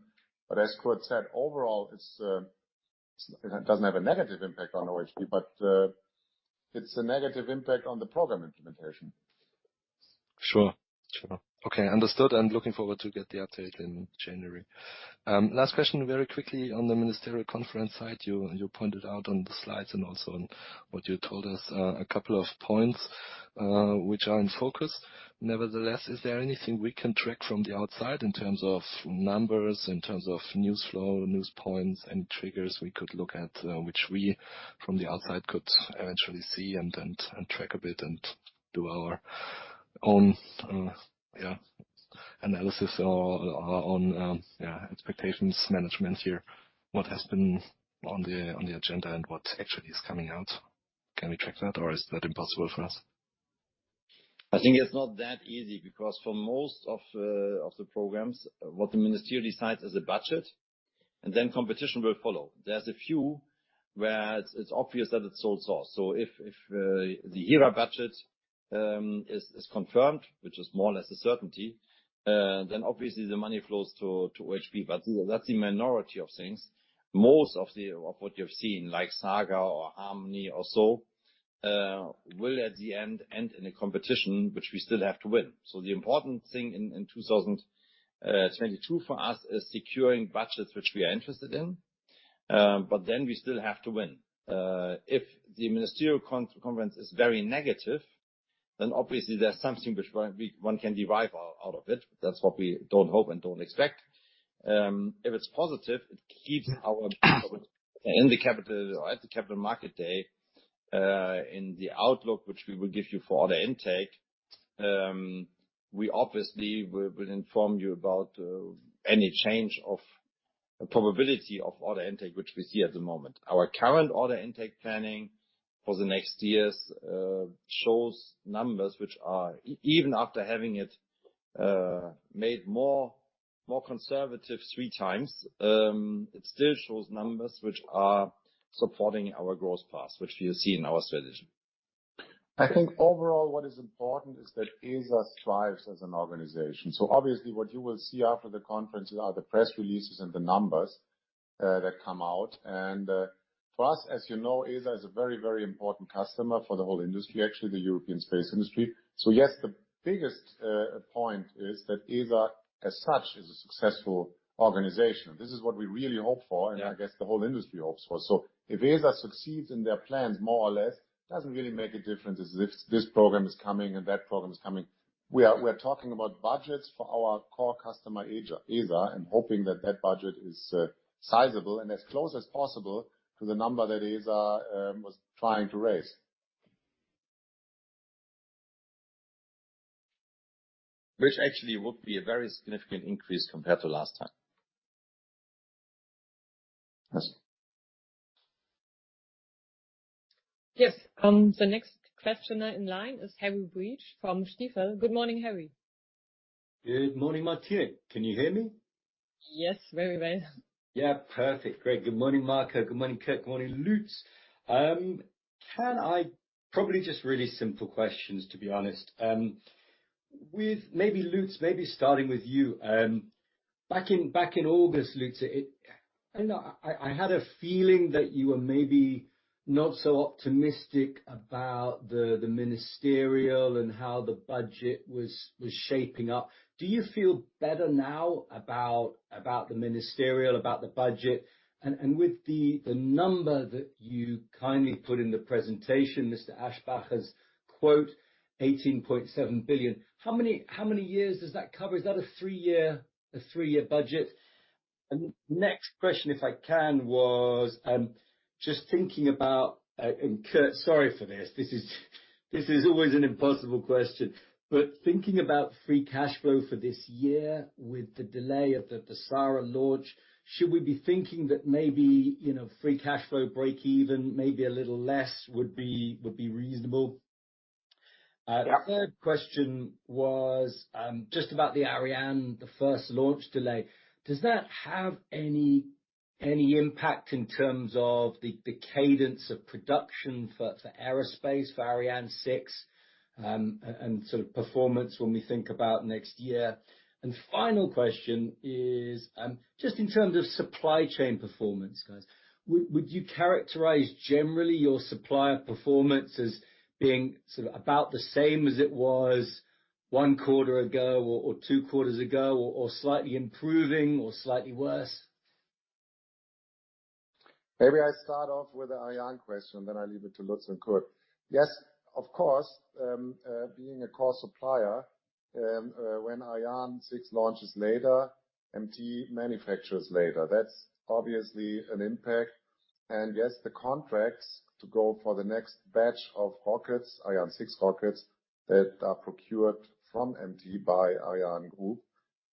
As Kurt said, overall, it doesn't have a negative impact on OHB, but it's a negative impact on the program implementation. Okay, understood, looking forward to get the update in January. Last question, very quickly on the ministerial conference side. You pointed out on the slides and also on what you told us, a couple of points, which are in focus. Nevertheless, is there anything we can track from the outside in terms of numbers, in terms of news flow, news points, any triggers we could look at, which we from the outside could eventually see and track a bit and do our own analysis or on expectations management here? What has been on the agenda and what actually is coming out? Can we track that or is that impossible for us? I think it's not that easy because for most of the programs, what the ministry decides is the budget and then competition will follow. There's a few where it's obvious that it's sole source. If the Hera budget is confirmed, which is more or less a certainty, then obviously the money flows to OHB, but that's the minority of things. Most of what you've seen, like SAGA or Harmony or so, will, in the end in a competition which we still have to win. The important thing in 2022 for us is securing budgets which we are interested in, but then we still have to win. If the ministerial conference is very negative. Obviously there's something which one can derive out of it. That's what we don't hope and don't expect. If it's positive, it keeps our in the capital or at the Capital Market Day, in the outlook, which we will give you for order intake, we obviously will inform you about any change of probability of order intake which we see at the moment. Our current order intake planning for the next years shows numbers which are even after having it made more conservative three times, it still shows numbers which are supporting our growth path, which you see in our strategy. I think overall what is important is that ESA strives as an organization. Obviously what you will see after the conference are the press releases and the numbers that come out. For us, as you know, ESA is a very, very important customer for the whole industry, actually, the European space industry. Yes, the biggest point is that ESA as such is a successful organization. This is what we really hope for. Yeah. I guess the whole industry hopes for. If ESA succeeds in their plans, more or less, doesn't really make a difference as if this program is coming and that program is coming. We are talking about budgets for our core customer, ESA, and hoping that that budget is sizable and as close as possible to the number that ESA was trying to raise. Which actually would be a very significant increase compared to last time. Yes. Yes. The next questioner in line is Harry Breach from Stifel. Good morning, Harry. Good morning, Martina. Can you hear me? Yes, very well. Yeah. Perfect. Great. Good morning, Marco. Good morning, Kurt. Good morning, Lutz. Probably just really simple questions, to be honest. With maybe Lutz, maybe starting with you. Back in August, Lutz, I know I had a feeling that you were maybe not so optimistic about the ministerial and how the budget was shaping up. Do you feel better now about the ministerial, about the budget? And with the number that you kindly put in the presentation, Josef Aschbacher's quote, 18.7 billion, how many years does that cover? Is that a three-year budget? Next question, if I can, just thinking about, and Kurt, sorry for this is always an impossible question, but thinking about free cash flow for this year with the delay of the SARah launch, should we be thinking that maybe, you know, free cash flow breakeven, maybe a little less would be reasonable? The third question was just about the Ariane first launch delay. Does that have any impact in terms of the cadence of production for aerospace, for Ariane 6, and sort of performance when we think about next year? Final question is, just in terms of supply chain performance, guys, would you characterize generally your supplier performance as being sort of about the same as it was one quarter ago or two quarters ago, or slightly improving or slightly worse? Maybe I start off with the Ariane question, then I leave it to Lutz and Kurt. Yes, of course. Being a core supplier, when Ariane 6 launches later, MT manufactures later, that's obviously an impact. Yes, the contracts to go for the next batch of rockets, Ariane 6 rockets that are procured from MT by Ariane Group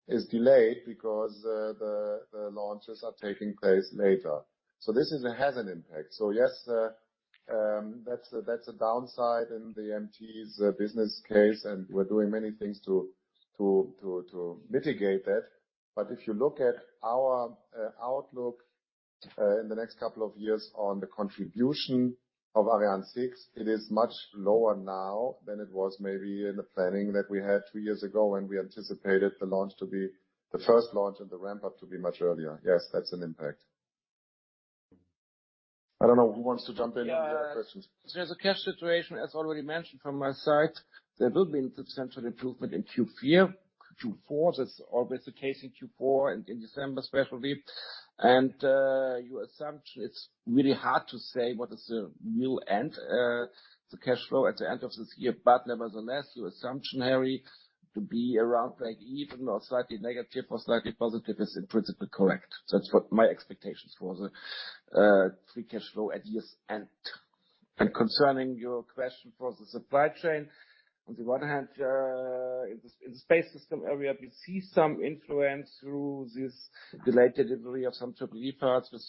is delayed because the launches are taking place later. This has an impact. Yes, that's a downside in the MT's business case, and we're doing many things to mitigate that. If you look at our outlook in the next couple of years on the contribution of Ariane 6, it is much lower now than it was maybe in the planning that we had two years ago when we anticipated the launch to be the first launch and the ramp up to be much earlier. Yes, that's an impact. I don't know who wants to jump in on the other questions. Yeah. As a cash situation, as already mentioned from my side, there will be a substantial improvement in Q3 or Q4. That's always the case in Q4 and in December especially. Your assumption, it's really hard to say what is the real end, the cash flow at the end of this year. Nevertheless, your assumption, Harry, to be around breakeven or slightly negative or slightly positive is in principle correct. That's what my expectations for the free cash flow at year's end. Concerning your question for the supply chain, on the one hand, in the space system area, we see some influence through this delayed delivery of some EEE parts which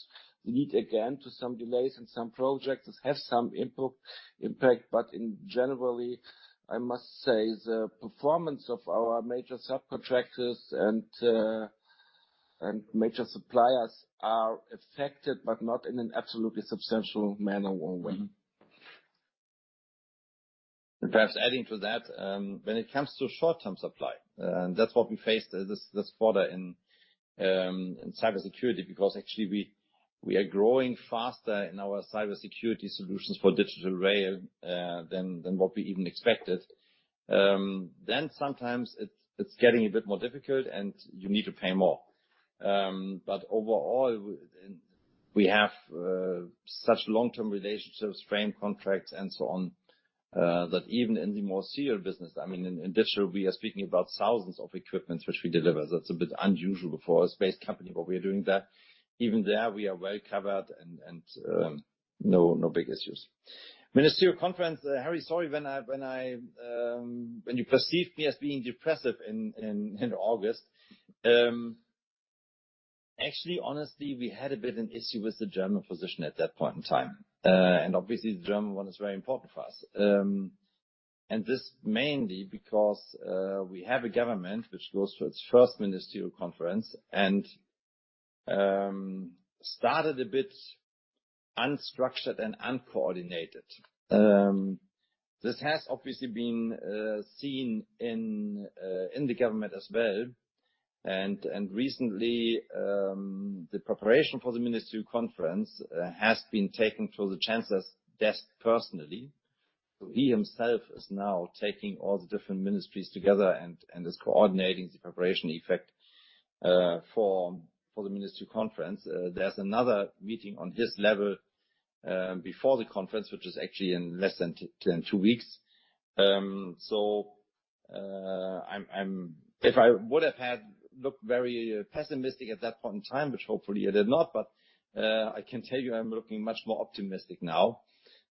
lead again to some delays in some projects. This has some impact, but in general, I must say, the performance of our major subcontractors and major suppliers are affected, but not in an absolutely substantial manner or way. Perhaps adding to that, when it comes to short-term supply, that's what we faced this quarter in cybersecurity, because actually we are growing faster in our cybersecurity solutions for digital rail than what we even expected. Sometimes it's getting a bit more difficult and you need to pay more. But overall. We have such long-term relationships, frame contracts, and so on, that even in the more serial business, I mean, in digital, we are speaking about thousands of equipments which we deliver. That's a bit unusual for a space company, but we are doing that. Even there we are well covered and no big issues. Ministerial conference, Harry, sorry when you perceived me as being depressive in August. Actually, honestly, we had a bit an issue with the German position at that point in time. Obviously the German one is very important for us. This mainly because we have a government which goes through its first ministerial conference and started a bit unstructured and uncoordinated. This has obviously been seen in the government as well. Recently, the preparation for the ministerial conference has been taken through the chancellor's desk personally. He himself is now taking all the different ministries together and is coordinating the preparation effort for the ministerial conference. There's another meeting on his level before the conference, which is actually in less than than two weeks. I'm If I would have had looked very pessimistic at that point in time, which hopefully I did not, but I can tell you I'm looking much more optimistic now.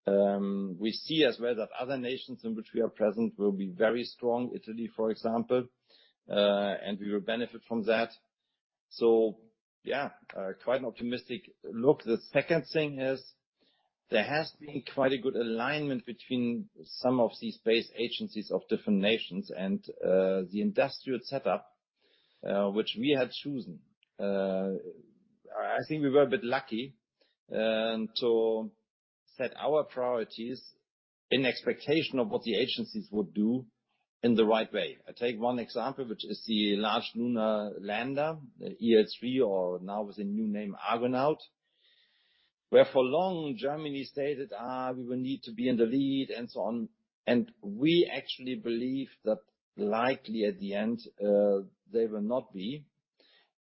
We see as well that other nations in which we are present will be very strong, Italy, for example, and we will benefit from that. Yeah, quite an optimistic look. The second thing is there has been quite a good alignment between some of the space agencies of different nations and the industrial setup which we had chosen. I think we were a bit lucky to set our priorities in expectation of what the agencies would do in the right way. I take one example, which is the large lunar lander, the EL3, or now with a new name, Argonaut, where for long Germany stated, "we will need to be in the lead," and so on. We actually believe that likely at the end they will not be.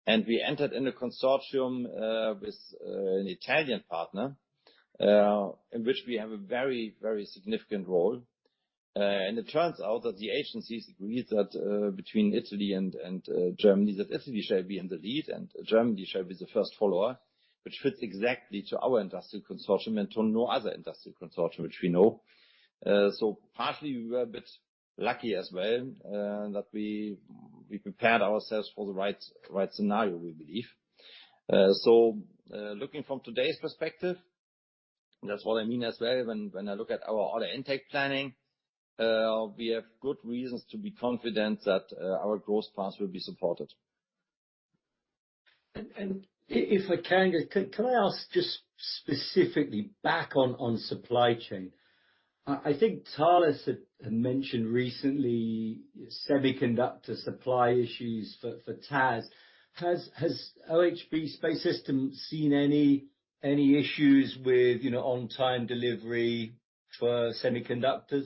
We entered in a consortium with an Italian partner in which we have a very, very significant role. It turns out that the agencies agreed that, between Italy and Germany, that Italy shall be in the lead and Germany shall be the first follower, which fits exactly to our industrial consortium and to no other industrial consortium which we know. Partly we were a bit lucky as well, that we prepared ourselves for the right scenario, we believe. Looking from today's perspective, that's what I mean as well when I look at our order intake planning, we have good reasons to be confident that our growth path will be supported. If I can ask just specifically back on supply chain? I think Thales had mentioned recently semiconductor supply issues for TAS. Has OHB System AG seen any issues with, you know, on-time delivery for semiconductors?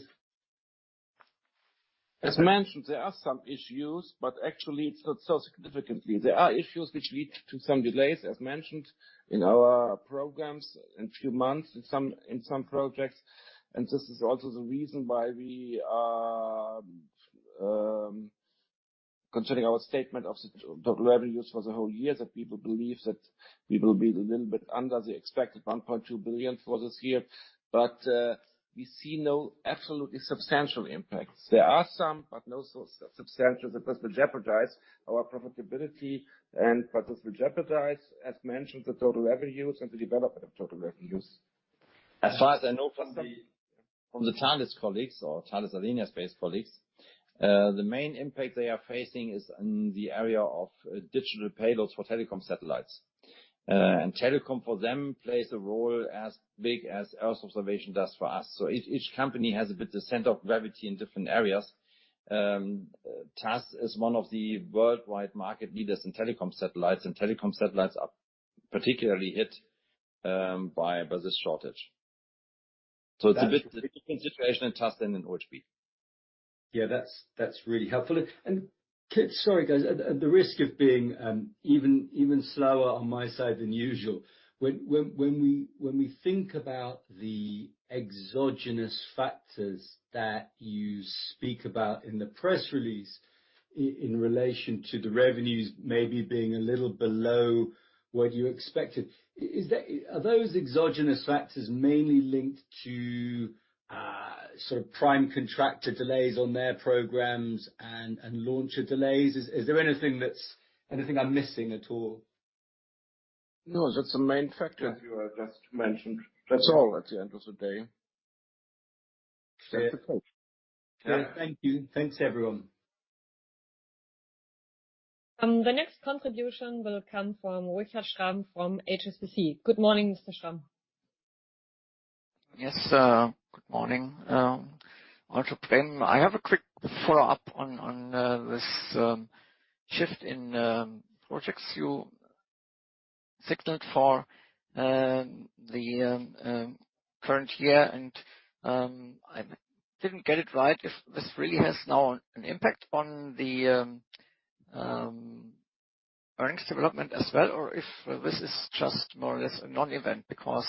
As mentioned, there are some issues, but actually it's not so significantly. There are issues which lead to some delays, as mentioned, in our programs in few months, in some projects. This is also the reason why we are considering our statement of the total revenues for the whole year, that people believe that we will be a little bit under the expected 1.2 billion for this year. But we see no absolutely substantial impacts. There are some, but no substantial that would jeopardize our profitability and that would jeopardize, as mentioned, the total revenues and the development of total revenues. As far as I know from the Thales colleagues or Thales Alenia Space colleagues, the main impact they are facing is in the area of digital payloads for telecom satellites. Telecom for them plays a role as big as Earth observation does for us. Each company has a bit of center of gravity in different areas. TAS is one of the worldwide market leaders in telecom satellites, and telecom satellites are particularly hit by this shortage. It's a bit different situation in TAS than in OHB. Yeah, that's really helpful. Sorry guys, at the risk of being even slower on my side than usual. When we think about the exogenous factors that you speak about in the press release in relation to the revenues maybe being a little below what you expected. Are those exogenous factors mainly linked to sort of prime contractor delays on their programs and launcher delays? Is there anything I'm missing at all? No, that's the main factor. As you just mentioned. That's all at the end of the day. Thank you. Thanks everyone. The next contribution will come from Richard Schramm from HSBC. Good morning, Mr. Schramm. Yes, good morning. Also Prem, I have a quick follow-up on this shift in projects you signaled for the current year. I didn't get it right if this really has now an impact on the earnings development as well, or if this is just more or less a non-event. Because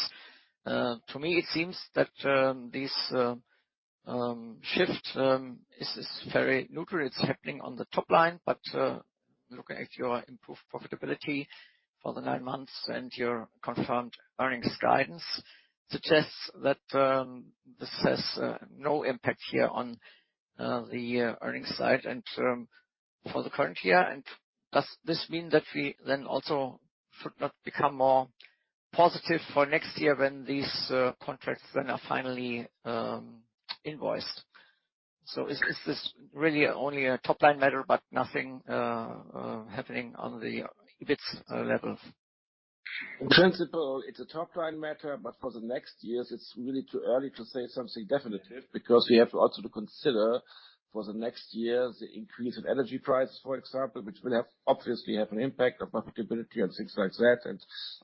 to me it seems that this shift is very neutral. It's happening on the top line, but looking at your improved profitability for the nine months and your confirmed earnings guidance suggests that this has no impact here on the earnings side and for the current year. Does this mean that we then also should not become more positive for next year when these contracts then are finally invoiced? Is this really only a top-line matter but nothing happening on the EBIT levels? In principle, it's a top-line matter, but for the next years it's really too early to say something definitive. Because we have also to consider for the next years the increase in energy prices, for example, which will obviously have an impact on profitability and things like that.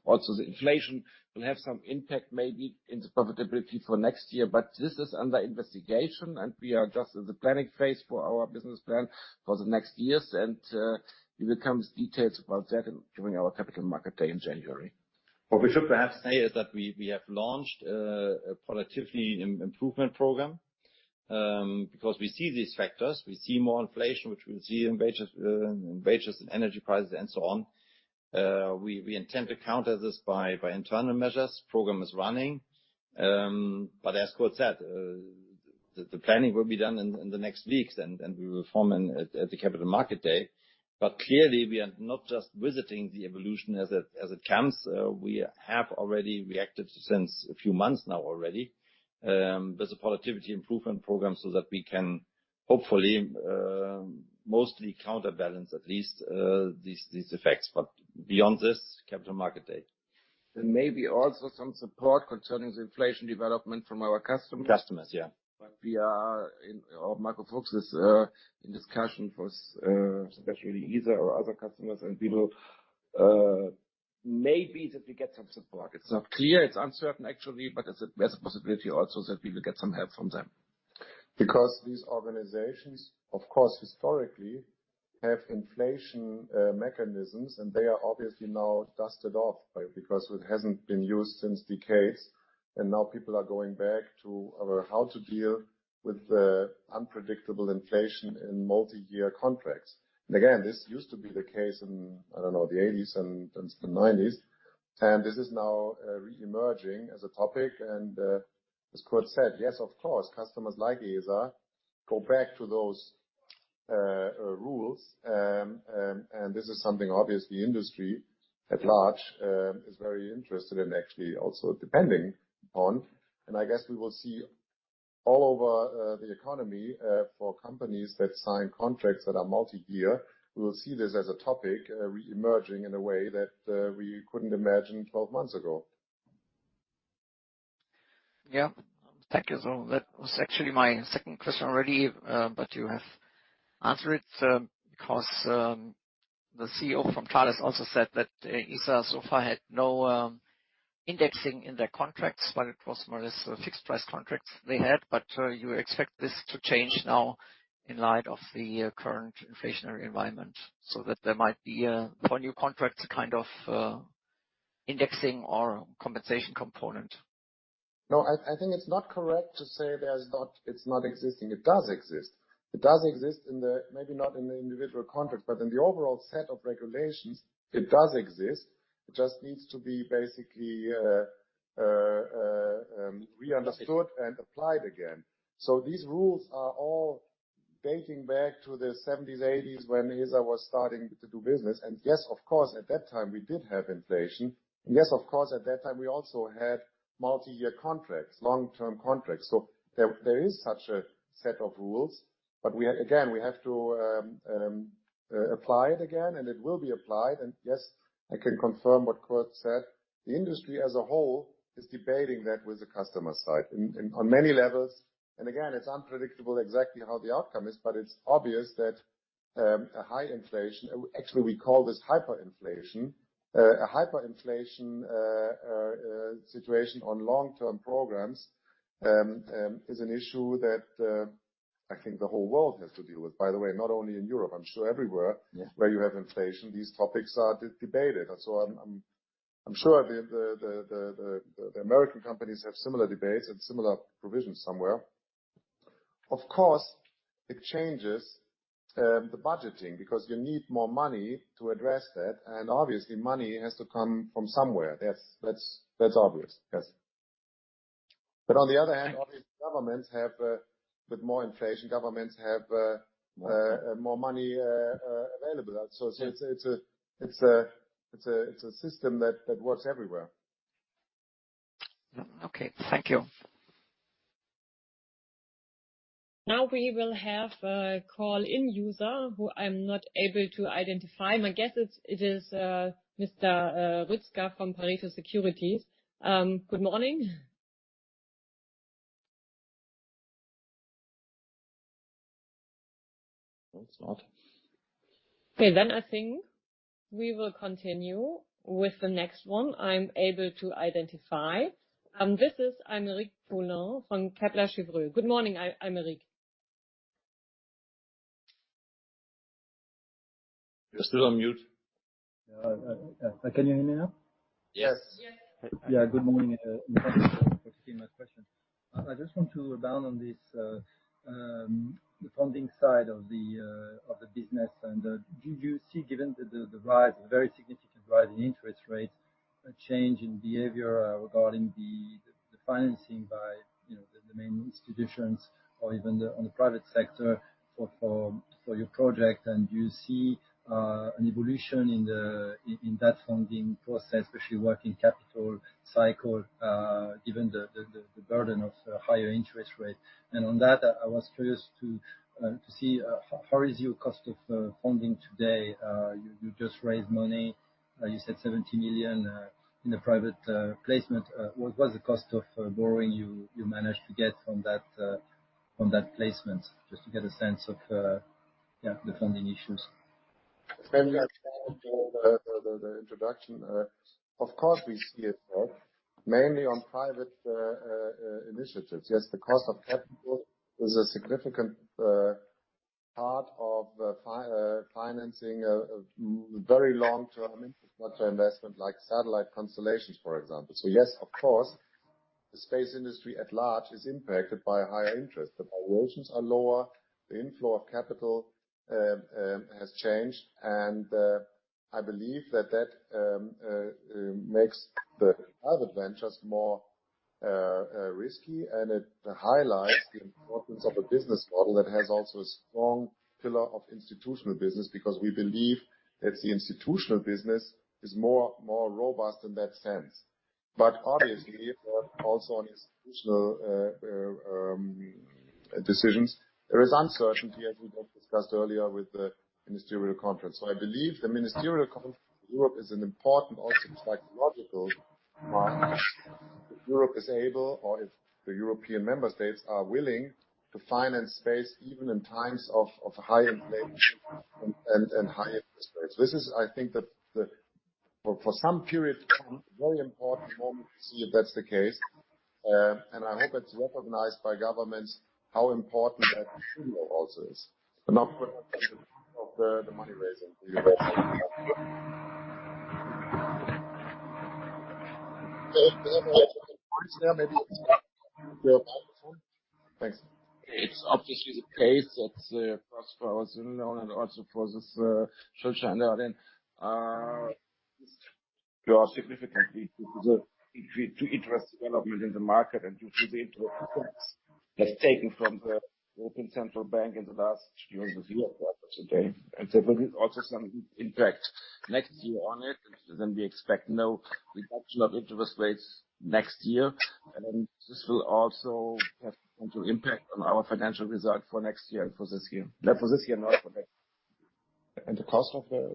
Also the inflation will have some impact maybe in the profitability for next year. This is under investigation, and we are just in the planning phase for our business plan for the next years. We'll provide details about that during our capital market day in January. What we should perhaps say is that we have launched a productivity improvement program. Because we see these factors, we see more inflation, which we'll see in wages and energy prices and so on. We intend to counter this by internal measures. Program is running. As Kurt said, the planning will be done in the next weeks, and we will inform at the capital market day. Clearly we are not just witnessing the evolution as it comes. We have already reacted since a few months now already with the productivity improvement program, so that we can hopefully mostly counterbalance at least these effects. Beyond this, capital market day. There may be also some support concerning the inflation development from our customers. Customers, yeah. Or Marco Fuchs is in discussion for, especially ESA or other customers and we will maybe that we get some support. It's not clear. It's uncertain actually, but there's a possibility also that we will get some help from them. Because these organizations of course historically have inflation mechanisms, and they are obviously now dusted off because it hasn't been used since decades. Now people are going back to how to deal with the unpredictable inflation in multi-year contracts. Again, this used to be the case in, I don't know, the eighties and the nineties. This is now reemerging as a topic. As Kurt said, yes, of course, customers like ESA go back to those rules. This is something obviously industry at large is very interested in actually also depending on. I guess we will see all over the economy for companies that sign contracts that are multi-year. We will see this as a topic reemerging in a way that we couldn't imagine 12 months ago. Yeah. Thank you. That was actually my second question already, but you have answered it, because the CEO from Thales also said that ESA so far had no indexing in their contracts while it was more or less fixed price contracts they had. You expect this to change now in light of the current inflationary environment, so that there might be a, for new contracts kind of, indexing or compensation component. No, I think it's not correct to say there's not, it's not existing. It does exist. Maybe not in the individual contracts, but in the overall set of regulations it does exist. It just needs to be basically re-understood and applied again. These rules are all dating back to the seventies, eighties, when ESA was starting to do business. Yes, of course, at that time we did have inflation. Yes, of course, at that time we also had multi-year contracts, long-term contracts. There is such a set of rules. We again have to apply it again, and it will be applied. Yes, I can confirm what Kurt said. The industry as a whole is debating that with the customer side and on many levels. Again, it's unpredictable exactly how the outcome is. It's obvious that a high inflation, actually we call this hyperinflation. A hyperinflation situation on long-term programs is an issue that I think the whole world has to deal with, by the way, not only in Europe. I'm sure everywhere. Yeah. Where you have inflation, these topics are debated. I'm sure the American companies have similar debates and similar provisions somewhere. Of course, it changes the budgeting because you need more money to address that, and obviously money has to come from somewhere. That's obvious. Yes. On the other hand, obviously governments have more money available. It's a system that works everywhere. Okay. Thank you. Now we will have a call-in user who I'm not able to identify. My guess is it is Mr. Rutscha from [AUDIO DISTORTION] Securities. Good morning. No, it's not. Okay, I think we will continue with the next one I'm able to identify. This is Aymeric Poulain from Kepler Cheuvreux. Good morning, Aymeric. You're still on mute. Yeah. Can you hear me now? Yes. Yes. Yeah, good morning, for taking my question. I just want to double down on this, the funding side of the business. Do you see, given the rise, very significant rise in interest rates, a change in behavior regarding the financing by, you know, the main institutions or even on the private sector for your project? Do you see an evolution in that funding process, especially working capital cycle, given the burden of higher interest rate? On that, I was curious to see how is your cost of funding today? You just raised money. You said 70 million in the private placement. What was the cost of borrowing you managed to get from that placement? Just to get a sense of yeah, the funding issues. That's all the introduction. Of course, we see it now, mainly on private initiatives. Yes, the cost of capital is a significant part of financing a very long-term investment like satellite constellations, for example. Yes, of course, the space industry at large is impacted by higher interest. The valuations are lower, the inflow of capital has changed. I believe that makes the other ventures more risky, and it highlights the importance of a business model that has also a strong pillar of institutional business, because we believe that the institutional business is more robust in that sense. Obviously, also on institutional decisions, there is uncertainty, as we have discussed earlier with the ministerial conference. I believe the ministerial conference in Europe is an important, also psychological mark. If Europe is able or if the European member states are willing to finance space even in times of high inflation and high interest rates. This is, I think, for some period of time, a very important moment to see if that's the case. I hope it's recognized by governments how important that issue also is. I'll put up the money raising for you. Maybe it's time for you to go back on the phone. Thanks. It's obviously the case that first for our Schuldschein loan and also for this short-term loan. We are significantly due to the increased interest development in the market and due to the interest that's taken from the European Central Bank in the last few years as we are today. There is also some impact next year on it. We expect no reduction of interest rates next year. This will also have some impact on our financial result for next year and for this year. For this year, not for next. The cost of the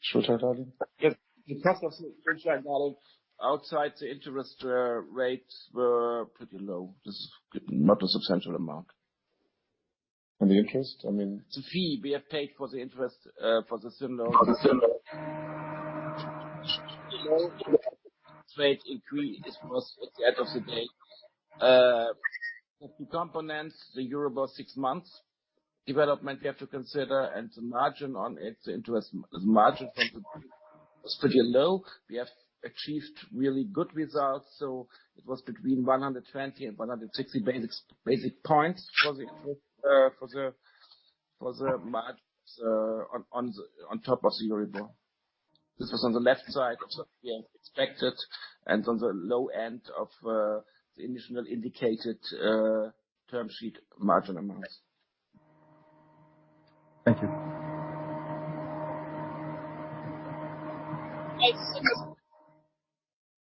short-term loan? Yes. The cost of short-term loan outside the interest rates were pretty low. Just not a substantial amount. The interest? I mean. The fee we have paid for the interest, for the Schuldschein loan. For the Schuldschein loan. rate increase was at the end of the day the two components, the EURIBOR for six months we have to consider and the margin on it, the interest margin from the bank was pretty low. We have achieved really good results. It was between 120 and 160 basis points for the margins on top of the EURIBOR. This is on the left side of the expected and on the low end of the initial indicated term sheet margin amounts. Thank you.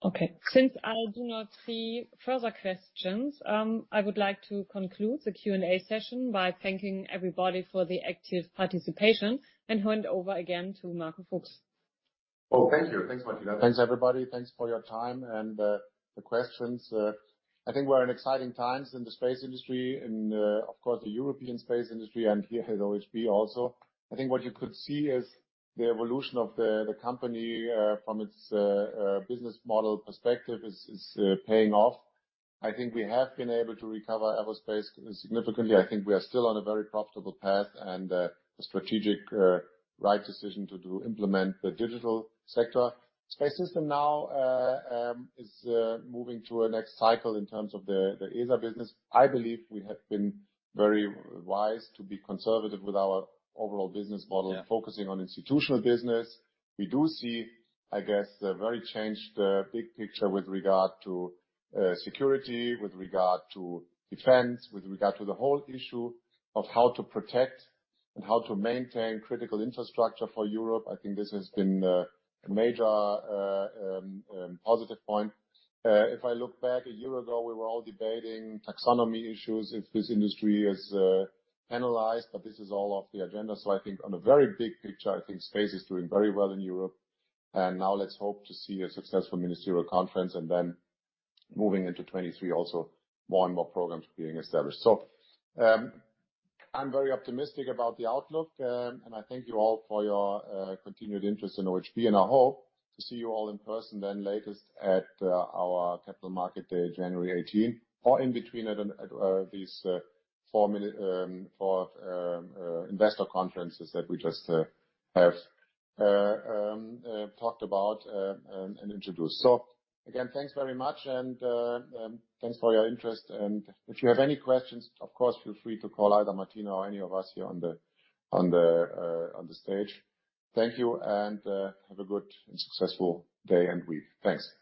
Okay. Since I do not see further questions, I would like to conclude the Q&A session by thanking everybody for the active participation and hand over again to Marco Fuchs. Oh, thank you. Thanks, Martina. Thanks, everybody. Thanks for your time and the questions. I think we're in exciting times in the space industry and, of course, the European space industry and here at OHB also. I think what you could see is the evolution of the company from its business model perspective is paying off. I think we have been able to recover our space significantly. I think we are still on a very profitable path and the strategic right decision to implement the digital sector. Space Systems now is moving to a next cycle in terms of the ESA business. I believe we have been very wise to be conservative with our overall business model focusing on institutional business. We do see, I guess, a very changed big picture with regard to security, with regard to defense, with regard to the whole issue of how to protect and how to maintain critical infrastructure for Europe. I think this has been a major positive point. If I look back a year ago, we were all debating taxonomy issues, if this industry is analyzed, but this is all off the agenda. I think on a very big picture, I think space is doing very well in Europe. Now let's hope to see a successful ministerial conference and then moving into 2023, also more and more programs being established. I'm very optimistic about the outlook, and I thank you all for your continued interest in OHB, and I hope to see you all in person then latest at our capital market day, January 18, or in between at these four main investor conferences that we just have talked about and introduced. Again, thanks very much and thanks for your interest. If you have any questions, of course, feel free to call either Martina or any of us here on the stage. Thank you and have a good and successful day and week. Thanks.